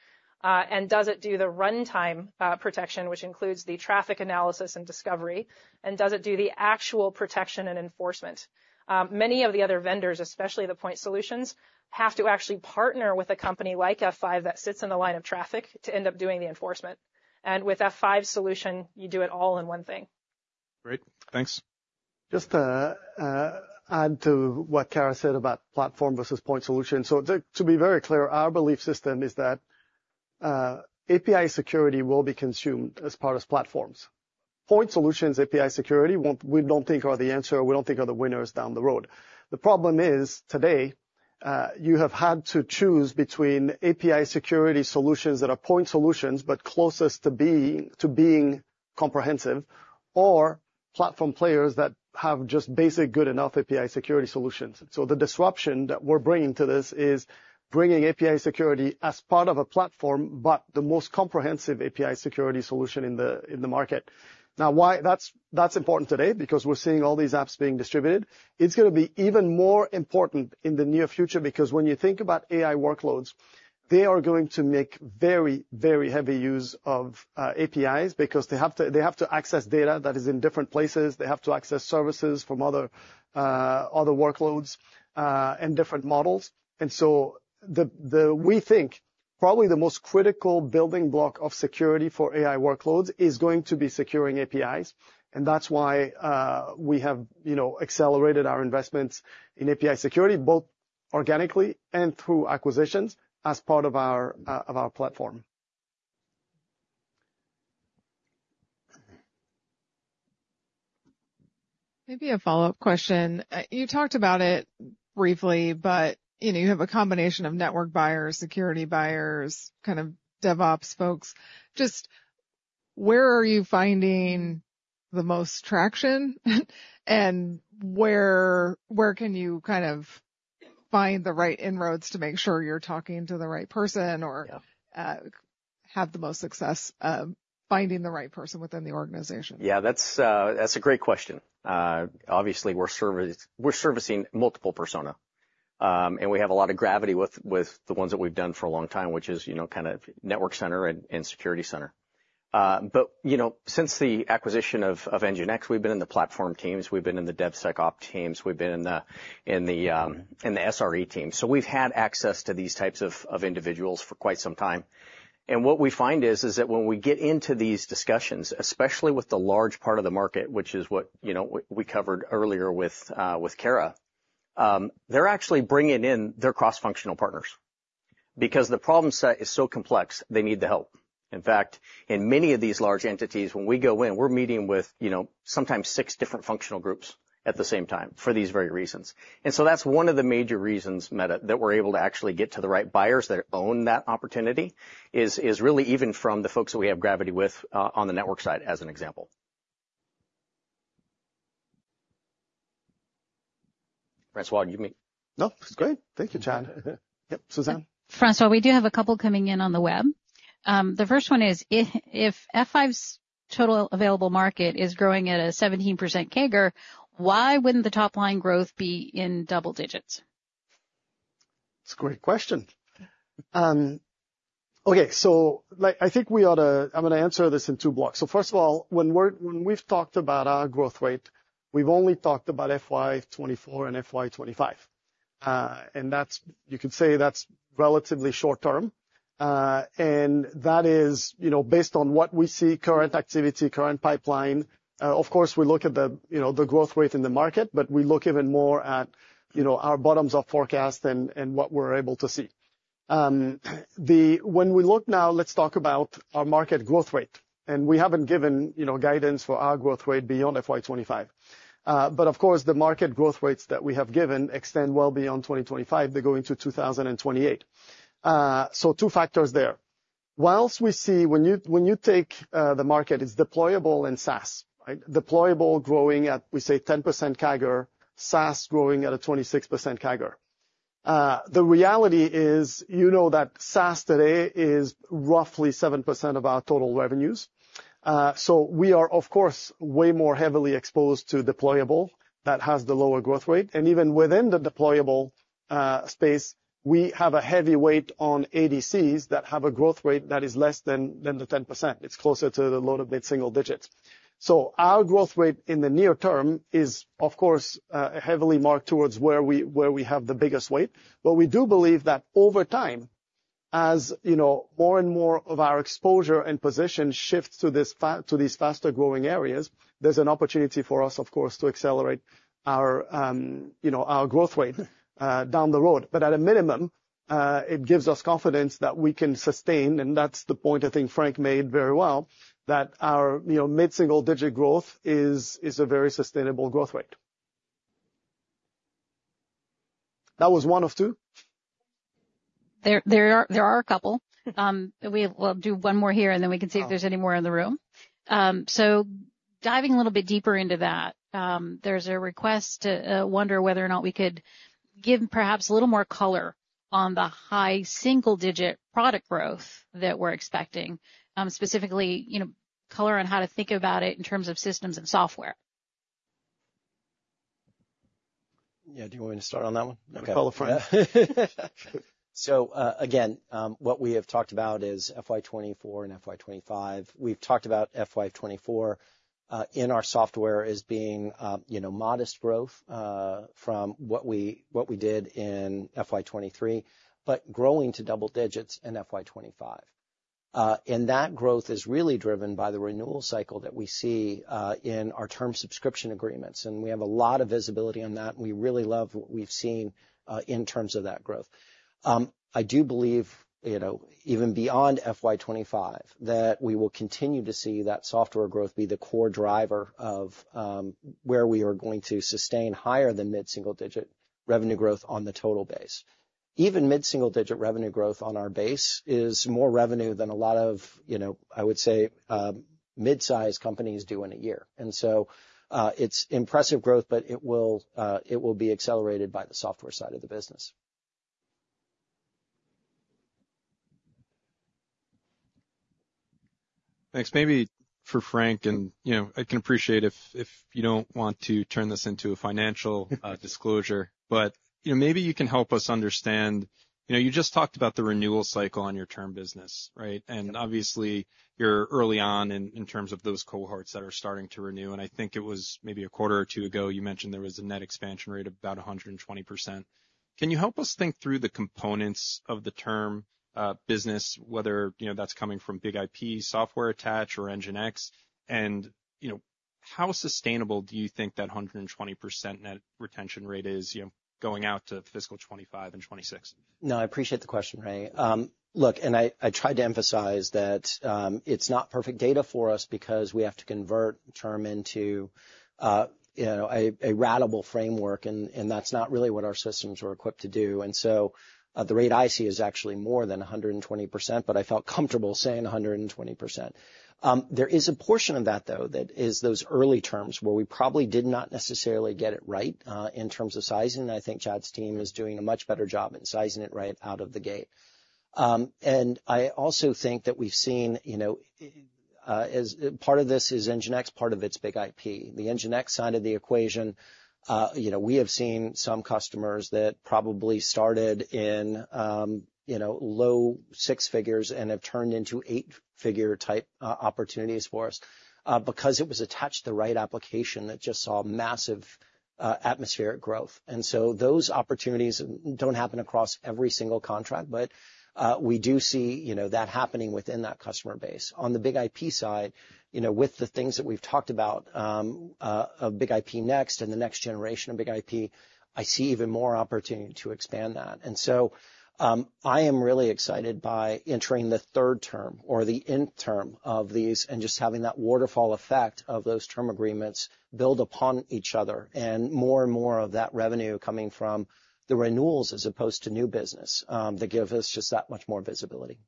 And does it do the runtime protection, which includes the traffic analysis and discovery? And does it do the actual protection and enforcement? Many of the other vendors, especially the point solutions, have to actually partner with a company like F5 that sits in the line of traffic to end up doing the enforcement. And with F5's solution, you do it all in one thing. Great. Thanks. Just to add to what Kara said about platform versus point solution. So to be very clear, our belief system is that API security will be consumed as part of platforms. Point solutions' API security, we don't think, are the answer, or we don't think are the winners down the road. The problem is, today, you have had to choose between API security solutions that are point solutions but closest to being comprehensive or platform players that have just basic, good-enough API security solutions. So the disruption that we're bringing to this is bringing API security as part of a platform but the most comprehensive API security solution in the market. Now, why that's important today? Because we're seeing all these apps being distributed. It's going to be even more important in the near future because when you think about AI workloads, they are going to make very, very heavy use of APIs because they have to access data that is in different places. They have to access services from other workloads and different models. And so we think probably the most critical building block of security for AI workloads is going to be securing APIs. And that's why we have accelerated our investments in API security, both organically and through acquisitions as part of our platform. Maybe a follow-up question. You talked about it briefly, but you have a combination of network buyers, security buyers, kind of DevOps folks. Just where are you finding the most traction, and where can you kind of find the right inroads to make sure you're talking to the right person or have the most success finding the right person within the organization? Yeah. That's a great question. Obviously, we're servicing multiple personas, and we have a lot of gravity with the ones that we've done for a long time, which is kind of network center and security center. But since the acquisition of NGINX, we've been in the platform teams. We've been in the DevSecOps teams. We've been in the SRE teams. So we've had access to these types of individuals for quite some time. And what we find is that when we get into these discussions, especially with the large part of the market, which is what we covered earlier with Kara, they're actually bringing in their cross-functional partners because the problem set is so complex, they need the help. In fact, in many of these large entities, when we go in, we're meeting with sometimes six different functional groups at the same time for these very reasons. So that's one of the major reasons, Meta, that we're able to actually get to the right buyers that own that opportunity is really even from the folks that we have gravity with on the network side, as an example. François, do you mean? Nope. It's great. Thank you, Chad. Yep. Suzanne? François, we do have a couple coming in on the web. The first one is, if F5's total available market is growing at a 17% CAGR, why wouldn't the top-line growth be in double digits? That's a great question. Okay. So I think we ought to. I'm going to answer this in two blocks. So first of all, when we've talked about our growth rate, we've only talked about FY24 and FY25. And you could say that's relatively short-term. And that is based on what we see: current activity, current pipeline. Of course, we look at the growth rate in the market, but we look even more at our bottoms-up forecast and what we're able to see. When we look now, let's talk about our market growth rate. And we haven't given guidance for our growth rate beyond FY25. But of course, the market growth rates that we have given extend well beyond 2025. They go into 2028. So two factors there. While we see when you take the market, it's deployable and SaaS, right? Deployable growing at, we say, 10% CAGR, SaaS growing at a 26% CAGR. The reality is you know that SaaS today is roughly 7% of our total revenues. So we are, of course, way more heavily exposed to deployable that has the lower growth rate. And even within the deployable space, we have a heavy weight on ADCs that have a growth rate that is less than the 10%. It's closer to the low of mid-single digits. So our growth rate in the near term is, of course, heavily marked towards where we have the biggest weight. But we do believe that over time, as more and more of our exposure and position shifts to these faster-growing areas, there's an opportunity for us, of course, to accelerate our growth rate down the road. At a minimum, it gives us confidence that we can sustain, and that's the point, I think, Frank made very well, that our mid-single-digit growth is a very sustainable growth rate. That was one of two. There are a couple. We'll do one more here, and then we can see if there's any more in the room. So diving a little bit deeper into that, there's a request to wonder whether or not we could give perhaps a little more color on the high single-digit product growth that we're expecting, specifically color on how to think about it in terms of systems and software. Yeah. Do you want me to start on that one? Okay. Call a friend. So again, what we have talked about is FY24 and FY25. We've talked about FY24 in our software as being modest growth from what we did in FY23 but growing to double digits in FY25. And that growth is really driven by the renewal cycle that we see in our term subscription agreements. And we have a lot of visibility on that. We really love what we've seen in terms of that growth. I do believe, even beyond FY25, that we will continue to see that software growth be the core driver of where we are going to sustain higher than mid-single-digit revenue growth on the total base. Even mid-single-digit revenue growth on our base is more revenue than a lot of, I would say, midsize companies do in a year. And so it's impressive growth, but it will be accelerated by the software side of the business. Thanks. Maybe Frank and I can appreciate if you don't want to turn this into a financial disclosure, but maybe you can help us understand you just talked about the renewal cycle on your term business, right? And obviously, you're early on in terms of those cohorts that are starting to renew. And I think it was maybe a quarter or two ago, you mentioned there was a net expansion rate of about 120%. Can you help us think through the components of the term business, whether that's coming from BIG-IP, software attach, or NGINX? And how sustainable do you think that 120% net retention rate is going out to fiscal 2025 and 2026? No, I appreciate the question, Ray. Look, I tried to emphasize that it's not perfect data for us because we have to convert term into a ratable framework, and that's not really what our systems are equipped to do. So the rate I see is actually more than 120%, but I felt comfortable saying 120%. There is a portion of that, though, that is those early terms where we probably did not necessarily get it right in terms of sizing. I think Chad's team is doing a much better job in sizing it right out of the gate. I also think that we've seen as part of this is NGINX, part of its BIG-IP. The NGINX side of the equation, we have seen some customers that probably started in low six figures and have turned into eight-figure-type opportunities for us because it was attached to the right application that just saw massive atmospheric growth. And so those opportunities don't happen across every single contract, but we do see that happening within that customer base. On the BIG-IP side, with the things that we've talked about, of BIG-IP Next and the next generation of BIG-IP, I see even more opportunity to expand that. And so I am really excited by entering the third term or the end term of these and just having that waterfall effect of those term agreements build upon each other and more and more of that revenue coming from the renewals as opposed to new business that give us just that much more visibility.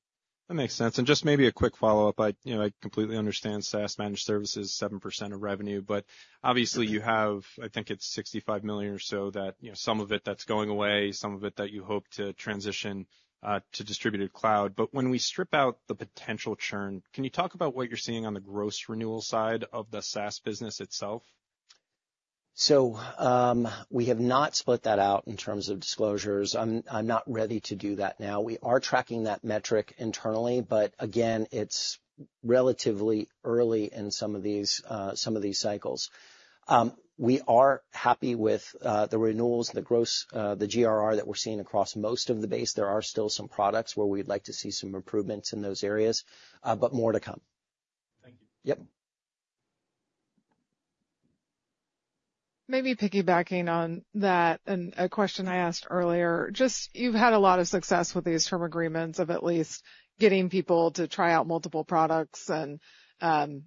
That makes sense. And just maybe a quick follow-up. I completely understand SaaS managed services, 7% of revenue. But obviously, you have I think it's $65 million or so that some of it that's going away, some of it that you hope to transition to Distributed Cloud. But when we strip out the potential churn, can you talk about what you're seeing on the gross renewal side of the SaaS business itself? So we have not split that out in terms of disclosures. I'm not ready to do that now. We are tracking that metric internally, but again, it's relatively early in some of these cycles. We are happy with the renewals, the gross the GRR that we're seeing across most of the base. There are still some products where we'd like to see some improvements in those areas, but more to come. Thank you. Yep. Maybe piggybacking on that and a question I asked earlier, just you've had a lot of success with these term agreements of at least getting people to try out multiple products. And I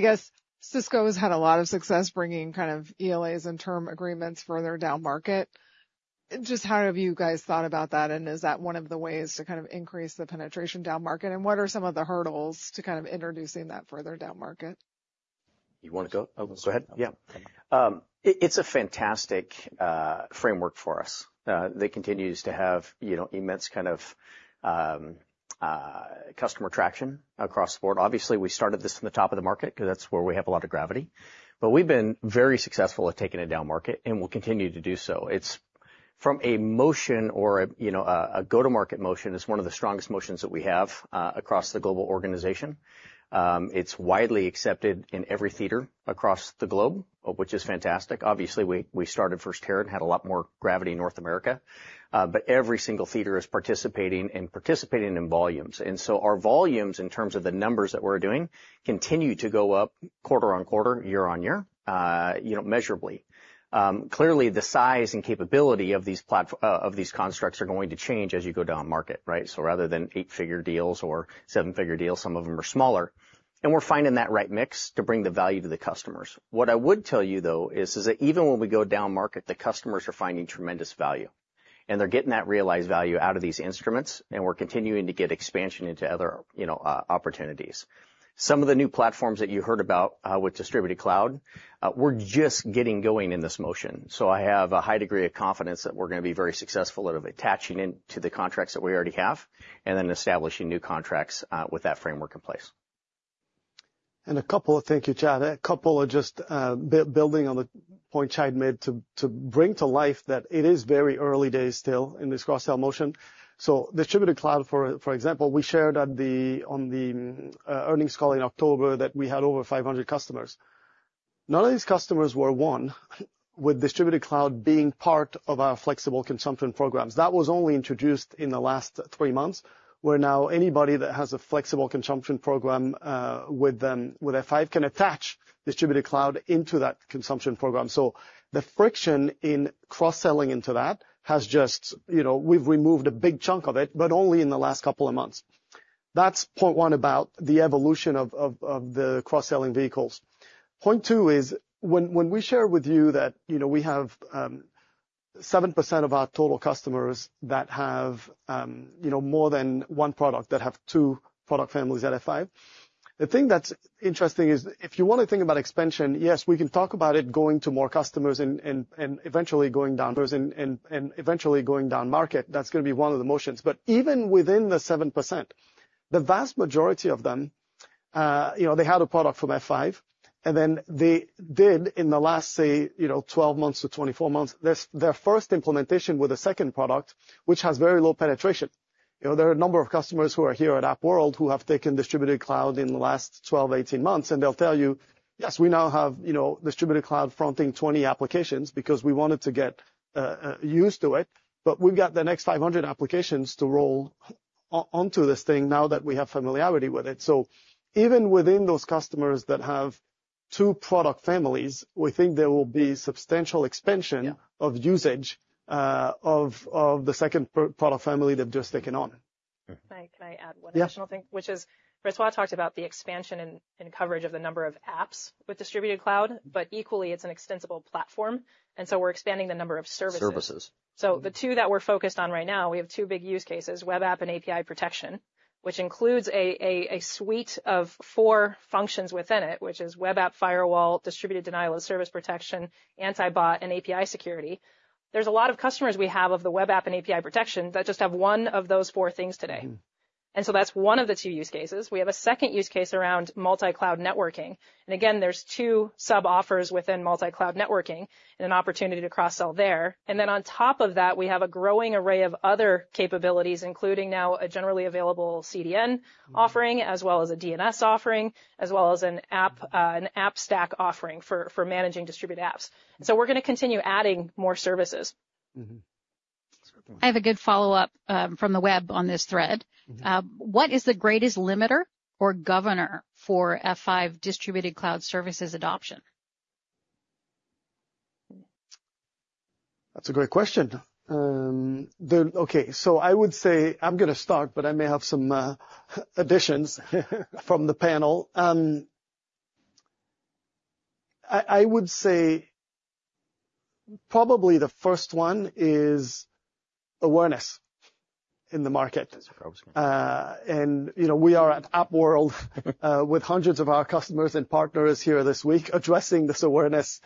guess Cisco has had a lot of success bringing kind of ELAs and term agreements further down market. Just how have you guys thought about that? And is that one of the ways to kind of increase the penetration down market? And what are some of the hurdles to kind of introducing that further down market? You want to go? Oh, go ahead. Yeah. It's a fantastic framework for us. It continues to have immense kind of customer traction across the board. Obviously, we started this from the top of the market because that's where we have a lot of gravity. But we've been very successful at taking it down market, and we'll continue to do so. From a motion or a go-to-market motion, it's one of the strongest motions that we have across the global organization. It's widely accepted in every theater across the globe, which is fantastic. Obviously, we started first-tier and had a lot more gravity in North America. But every single theater is participating and participating in volumes. And so our volumes, in terms of the numbers that we're doing, continue to go up quarter-over-quarter, year-over-year, measurably. Clearly, the size and capability of these constructs are going to change as you go down market, right? So rather than eight-figure deals or seven-figure deals, some of them are smaller. And we're finding that right mix to bring the value to the customers. What I would tell you, though, is that even when we go down market, the customers are finding tremendous value. And they're getting that realized value out of these instruments, and we're continuing to get expansion into other opportunities. Some of the new platforms that you heard about with Distributed Cloud, we're just getting going in this motion. So I have a high degree of confidence that we're going to be very successful at attaching into the contracts that we already have and then establishing new contracts with that framework in place. And a couple of thank yous, Chad. A couple are just building on the point Chad made to bring to life that it is very early days still in this cross-sell motion. So Distributed Cloud, for example, we shared on the earnings call in October that we had over 500 customers. None of these customers were won with Distributed Cloud being part of our Flexible Consumption Programs. That was only introduced in the last three months, where now anybody that has a flexible consumption program with F5 can attach Distributed Cloudinto that consumption program. So the friction in cross-selling into that—we've just removed a big chunk of it, but only in the last couple of months. That's point one about the evolution of the cross-selling vehicles. Point two is when we share with you that we have 7% of our total customers that have more than one product, that have two product families at F5. The thing that's interesting is if you want to think about expansion, yes, we can talk about it going to more customers and eventually going down. Eventually going down market, that's going to be one of the motions. Even within the 7%, the vast majority of them, they had a product from F5, and then they did in the last, say, 12-24 months, their first implementation with a second product, which has very low penetration. There are a number of customers who are here at AppWorld who have taken Distributed Cloud in the last 12-18 months. They'll tell you, "Yes, we now have Distributed Cloud fronting 20 applications because we wanted to get used to it. But we've got the next 500 applications to roll onto this thing now that we have familiarity with it." So even within those customers that have two product families, we think there will be substantial expansion of usage of the second product family they've just taken on. Can I add one additional thing? Which is, first of all, I talked about the expansion and coverage of the number of apps with Distributed Cloud, but equally, it's an extensible platform. And so we're expanding the number of services. So the two that we're focused on right now, we have two big use cases: Web App and API Protection, which includes a suite of four functions within it, which is web app firewall, distributed denial of service protection, anti-bot, and API security. There's a lot of customers we have of the Web App and API Protection that just have one of those four things today. And so that's one of the two use cases. We have a second use case around Multi-Cloud Networking. And again, there's two sub-offers within Multi-Cloud Networking and an opportunity to cross-sell there. And then on top of that, we have a growing array of other capabilities, including now a generally available CDN offering as well as a DNS offering as well as an AppStack offering for managing distributed apps. And so we're going to continue adding more services. I have a good follow-up from the web on this thread. What is the greatest limiter or governor for F5 Distributed Cloud Services adoption? That's a great question. Okay. So I would say I'm going to start, but I may have some additions from the panel. I would say probably the first one is awareness in the market. And we are at AppWorld with hundreds of our customers and partners here this week addressing this awareness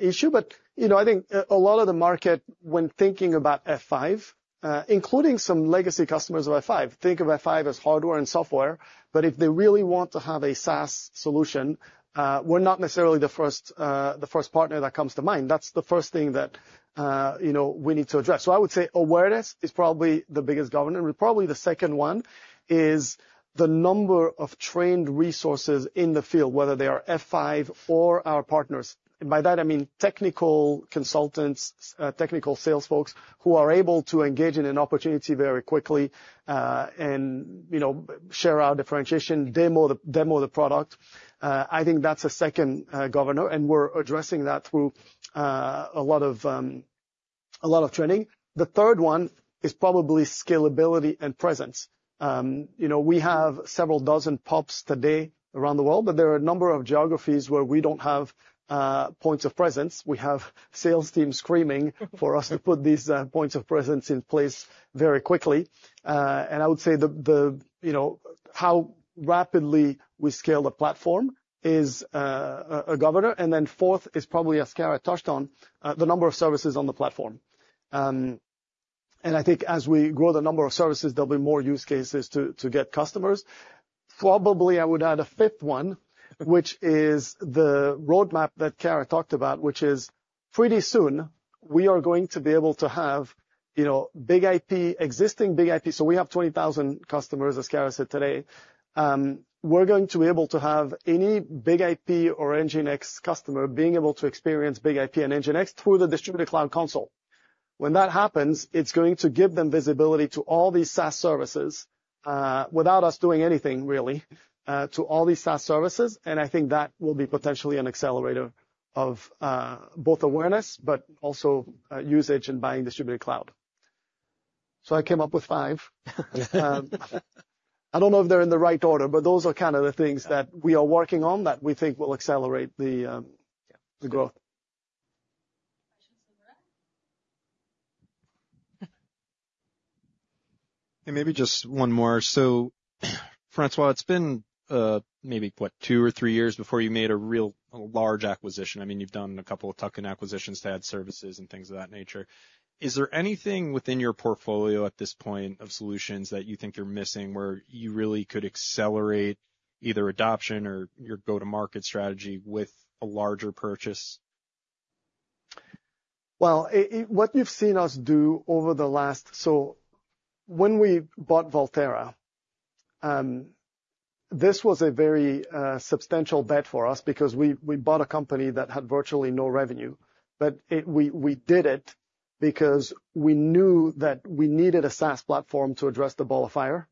issue. But I think a lot of the market, when thinking about F5, including some legacy customers of F5, think of F5 as hardware and software. But if they really want to have a SaaS solution, we're not necessarily the first partner that comes to mind. That's the first thing that we need to address. So I would say awareness is probably the biggest governor. And probably the second one is the number of trained resources in the field, whether they are F5 or our partners. And by that, I mean technical consultants, technical sales folks who are able to engage in an opportunity very quickly and share out differentiation, demo the product. I think that's a second governor. And we're addressing that through a lot of training. The third one is probably scalability and presence. We have several dozen POPs today around the world, but there are a number of geographies where we don't have points of presence. We have sales teams screaming for us to put these points of presence in place very quickly. And I would say how rapidly we scale the platform is a governor. And then fourth is probably, as Kara touched on, the number of services on the platform. And I think as we grow the number of services, there'll be more use cases to get customers. Probably, I would add a fifth one, which is the roadmap that Kara talked about, which is pretty soon, we are going to be able to have BIG-IP, existing BIG-IP. So we have 20,000 customers, as Kara said today. We're going to be able to have any BIG-IP or NGINX customer being able to experience BIG-IP and NGINX through the Distributed Cloud Console. When that happens, it's going to give them visibility to all these SaaS services without us doing anything, really, to all these SaaS services. And I think that will be potentially an accelerator of both awareness but also usage and buying Distributed Cloud. So I came up with five. I don't know if they're in the right order, but those are kind of the things that we are working on that we think will accelerate the growth. Questions in the room? Maybe just one more. François, it's been maybe, what, two or three years before you made a real large acquisition. I mean, you've done a couple of tuck-in acquisitions to add services and things of that nature. Is there anything within your portfolio at this point of solutions that you think you're missing where you really could accelerate either adoption or your go-to-market strategy with a larger purchase? Well, what you've seen us do over the last so when we bought Volterra, this was a very substantial bet for us because we bought a company that had virtually no revenue. But we did it because we knew that we needed a SaaS platform to address the Ball of Fire.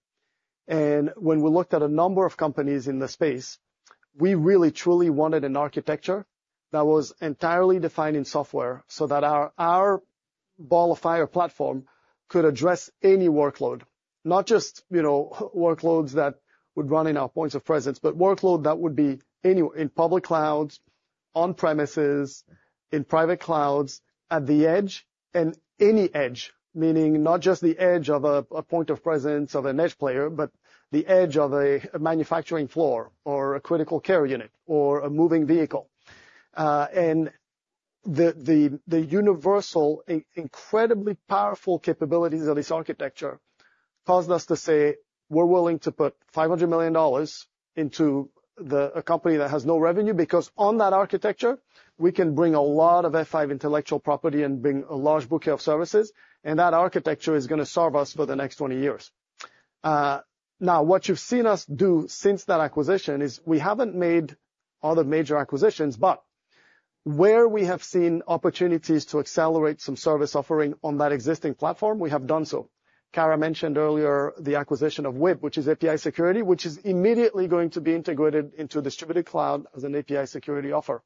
And when we looked at a number of companies in the space, we really, truly wanted an architecture that was entirely defined in software so that our Ball of Fire platform could address any workload, not just workloads that would run in our points of presence, but workload that would be in public clouds, on-premises, in private clouds, at the edge, and any edge, meaning not just the edge of a point of presence of an edge player, but the edge of a manufacturing floor or a critical care unit or a moving vehicle. The universal, incredibly powerful capabilities of this architecture caused us to say, "We're willing to put $500 million into a company that has no revenue because on that architecture, we can bring a lot of F5 intellectual property and bring a large bouquet of services. And that architecture is going to serve us for the next 20 years." Now, what you've seen us do since that acquisition is we haven't made other major acquisitions, but where we have seen opportunities to accelerate some service offering on that existing platform, we have done so. Kara mentioned earlier the acquisition of Wib, which is API security, which is immediately going to be integrated into Distributed Cloud as an API security offer.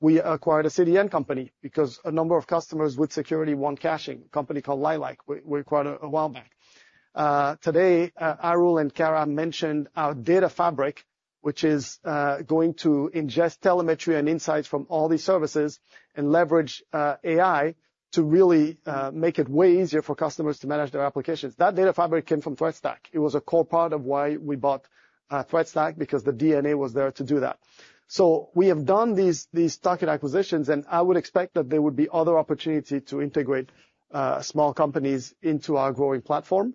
We acquired a CDN company because a number of customers with security want caching, a company called Lilac, we acquired a while back. Today, Arul and Kara mentioned our data fabric, which is going to ingest telemetry and insights from all these services and leverage AI to really make it way easier for customers to manage their applications. That data fabric came from Threat Stack. It was a core part of why we bought Threat Stack because the DNA was there to do that. So we have done these tuck-in acquisitions, and I would expect that there would be other opportunities to integrate small companies into our growing platform.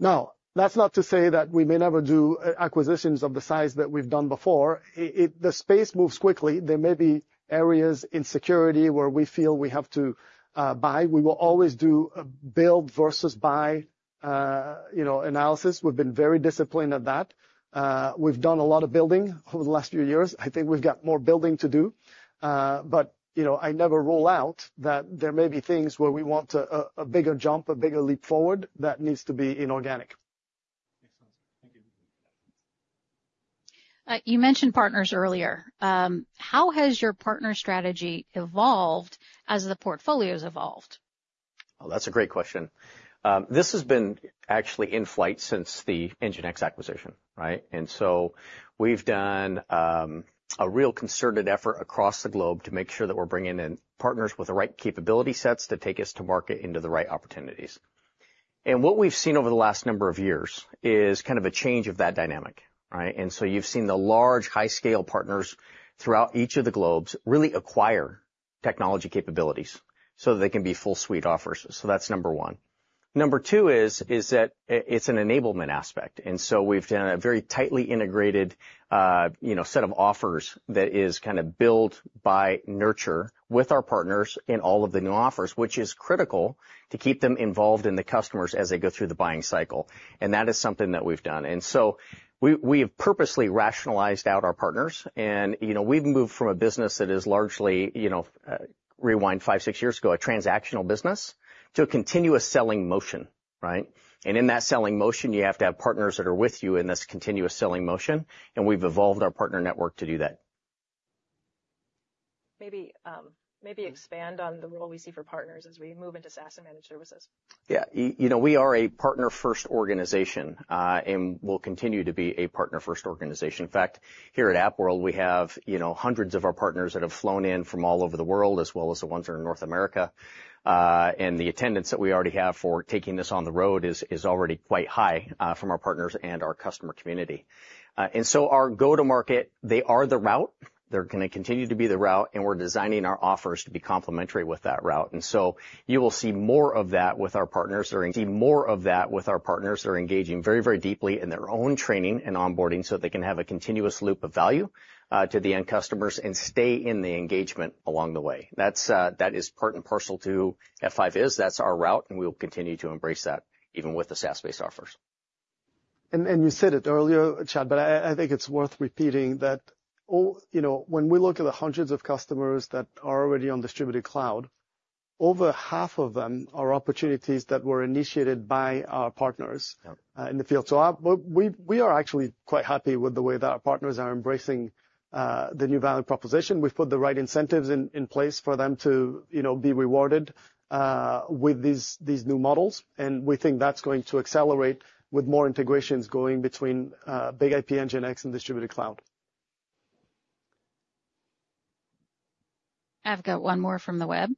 Now, that's not to say that we may never do acquisitions of the size that we've done before. The space moves quickly. There may be areas in security where we feel we have to buy. We will always do build versus buy analysis. We've been very disciplined at that. We've done a lot of building over the last few years. I think we've got more building to do. But I never rule out that there may be things where we want a bigger jump, a bigger leap forward that needs to be inorganic. Excellent. Thank you. You mentioned partners earlier. How has your partner strategy evolved as the portfolio has evolved? Well, that's a great question. This has been actually in flight since the NGINX acquisition, right? And so we've done a real concerted effort across the globe to make sure that we're bringing in partners with the right capability sets to take us to market into the right opportunities. And what we've seen over the last number of years is kind of a change of that dynamic, right? And so you've seen the large, high-scale partners throughout each of the globes really acquire technology capabilities so that they can be full-suite offers. So that's number one. Number two is that it's an enablement aspect. And so we've done a very tightly integrated set of offers that is kind of build-buy nurture with our partners in all of the new offers, which is critical to keep them involved in the customers as they go through the buying cycle. That is something that we've done. So we have purposely rationalized out our partners. We've moved from a business that is largely 5, 6 years ago, a transactional business to a continuous selling motion, right? In that selling motion, you have to have partners that are with you in this continuous selling motion. We've evolved our partner network to do that. Maybe expand on the role we see for partners as we move into SaaS and managed services. Yeah. We are a partner-first organization and will continue to be a partner-first organization. In fact, here at AppWorld, we have hundreds of our partners that have flown in from all over the world as well as the ones that are in North America. And the attendance that we already have for taking this on the road is already quite high from our partners and our customer community. And so our go-to-market, they are the route. They're going to continue to be the route. And we're designing our offers to be complementary with that route. And so you will see more of that with our partners that are. See more of that with our partners that are engaging very, very deeply in their own training and onboarding so that they can have a continuous loop of value to the end customers and stay in the engagement along the way. That is part and parcel to F5. That's our route. We will continue to embrace that even with the SaaS-based offers. You said it earlier, Chad, but I think it's worth repeating that when we look at the hundreds of customers that are already on Distributed Cloud, over half of them are opportunities that were initiated by our partners in the field. We are actually quite happy with the way that our partners are embracing the new value proposition. We've put the right incentives in place for them to be rewarded with these new models. We think that's going to accelerate with more integrations going between BIG-IP, NGINX, and Distributed Cloud. I've got one more from the web.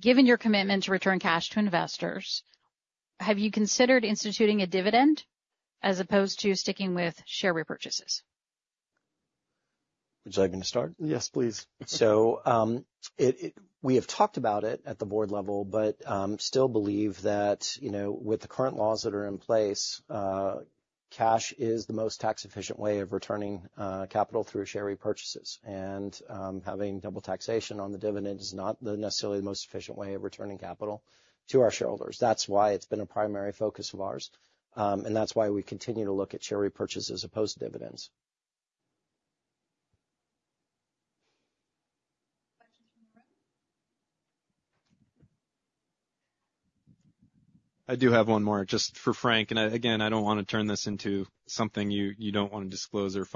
Given your commitment to return cash to investors, have you considered instituting a dividend as opposed to sticking with share repurchases? Would you like me to start? Yes, please. We have talked about it at the board level, but still believe that with the current laws that are in place, cash is the most tax-efficient way of returning capital through share repurchases. Having double taxation on the dividend is not necessarily the most efficient way of returning capital to our shareholders. That's why it's been a primary focus of ours. That's why we continue to look at share repurchase as opposed to dividends. Questions from the room? I do have one more just for Frank. And again, I don't want to turn this into something you don't want to disclose or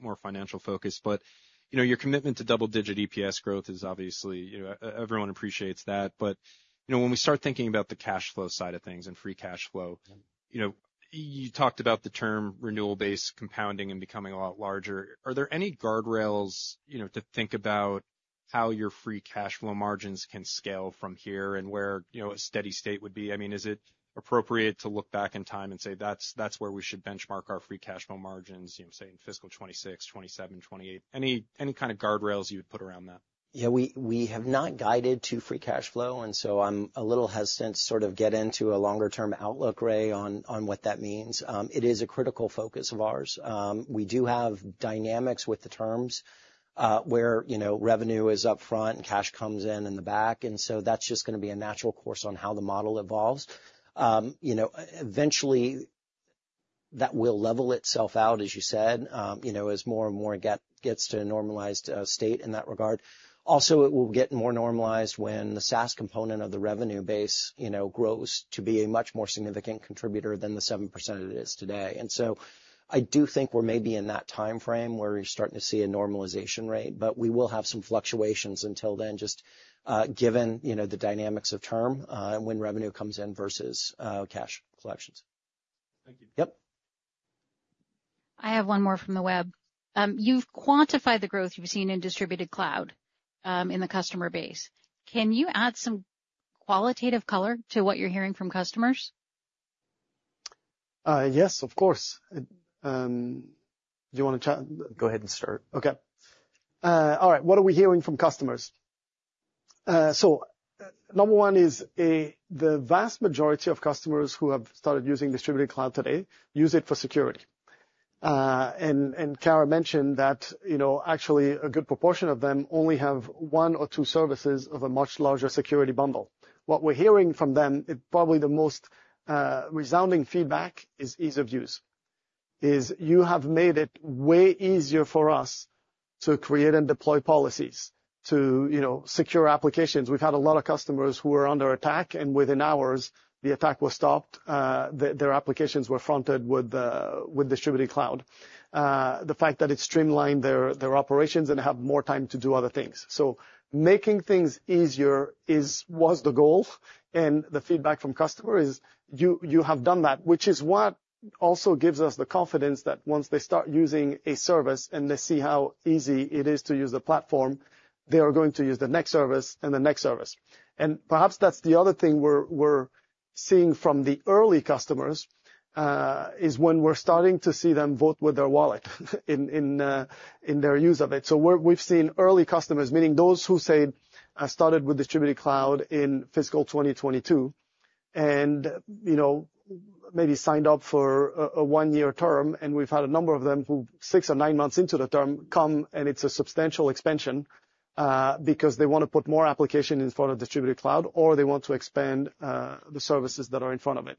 more financial focus. But your commitment to double-digit EPS growth is obviously everyone appreciates that. But when we start thinking about the cash flow side of things and free cash flow, you talked about the term renewal-based compounding and becoming a lot larger. Are there any guardrails to think about how your free cash flow margins can scale from here and where a steady state would be? I mean, is it appropriate to look back in time and say, "That's where we should benchmark our free cash flow margins," say, in fiscal 2026, 2027, 2028? Any kind of guardrails you would put around that? Yeah. We have not guided to free cash flow. And so I'm a little hesitant to sort of get into a longer-term outlook, Ray, on what that means. It is a critical focus of ours. We do have dynamics with the terms where revenue is upfront and cash comes in in the back. And so that's just going to be a natural course on how the model evolves. Eventually, that will level itself out, as you said, as more and more gets to a normalized state in that regard. Also, it will get more normalized when the SaaS component of the revenue base grows to be a much more significant contributor than the 7% it is today. And so I do think we're maybe in that time frame where you're starting to see a normalization rate. But we will have some fluctuations until then, just given the dynamics of term and when revenue comes in versus cash collections. Thank you. Yep. I have one more from the web. You've quantified the growth you've seen in Distributed Cloud in the customer base. Can you add some qualitative color to what you're hearing from customers? Yes, of course. Do you want to chat? Go ahead and start. Okay. All right. What are we hearing from customers? So number one is the vast majority of customers who have started using Distributed Cloud today use it for security. And Kara mentioned that actually, a good proportion of them only have one or two services of a much larger security bundle. What we're hearing from them, probably the most resounding feedback is ease of use, is you have made it way easier for us to create and deploy policies, to secure applications. We've had a lot of customers who were under attack, and within hours, the attack was stopped. Their applications were fronted with Distributed Cloud, the fact that it streamlined their operations and have more time to do other things. So making things easier was the goal. And the feedback from customer is you have done that, which is what also gives us the confidence that once they start using a service and they see how easy it is to use the platform, they are going to use the next service and the next service. And perhaps that's the other thing we're seeing from the early customers is when we're starting to see them vote with their wallet in their use of it. So we've seen early customers, meaning those who started with Distributed Cloud in fiscal 2022 and maybe signed up for a one-year term. And we've had a number of them who, six or nine months into the term, come, and it's a substantial expansion because they want to put more application in front of Distributed Cloud, or they want to expand the services that are in front of it.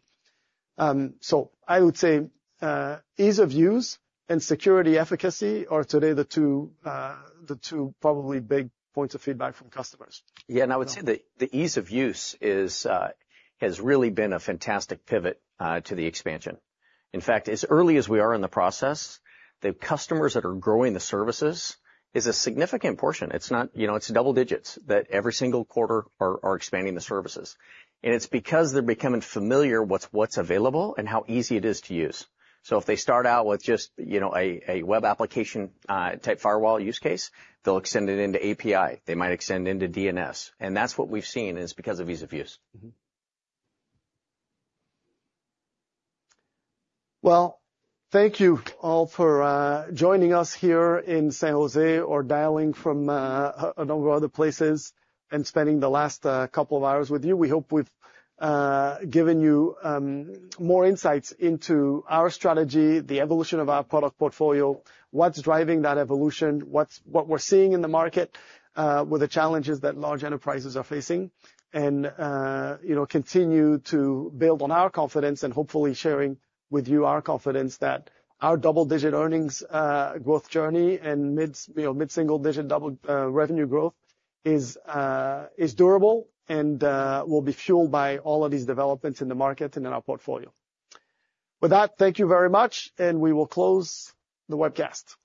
I would say ease of use and security efficacy are today the two probably big points of feedback from customers. Yeah. And I would say the ease of use has really been a fantastic pivot to the expansion. In fact, as early as we are in the process, the customers that are growing the services is a significant portion. It's double digits that every single quarter are expanding the services. And it's because they're becoming familiar with what's available and how easy it is to use. So if they start out with just a web application-type firewall use case, they'll extend it into API. They might extend into DNS. And that's what we've seen is because of ease of use. Well, thank you all for joining us here in San Jose or dialing from a number of other places and spending the last couple of hours with you. We hope we've given you more insights into our strategy, the evolution of our product portfolio, what's driving that evolution, what we're seeing in the market with the challenges that large enterprises are facing, and continue to build on our confidence and hopefully sharing with you our confidence that our double-digit earnings growth journey and mid-single-digit double revenue growth is durable and will be fueled by all of these developments in the market and in our portfolio. With that, thank you very much. We will close the webcast.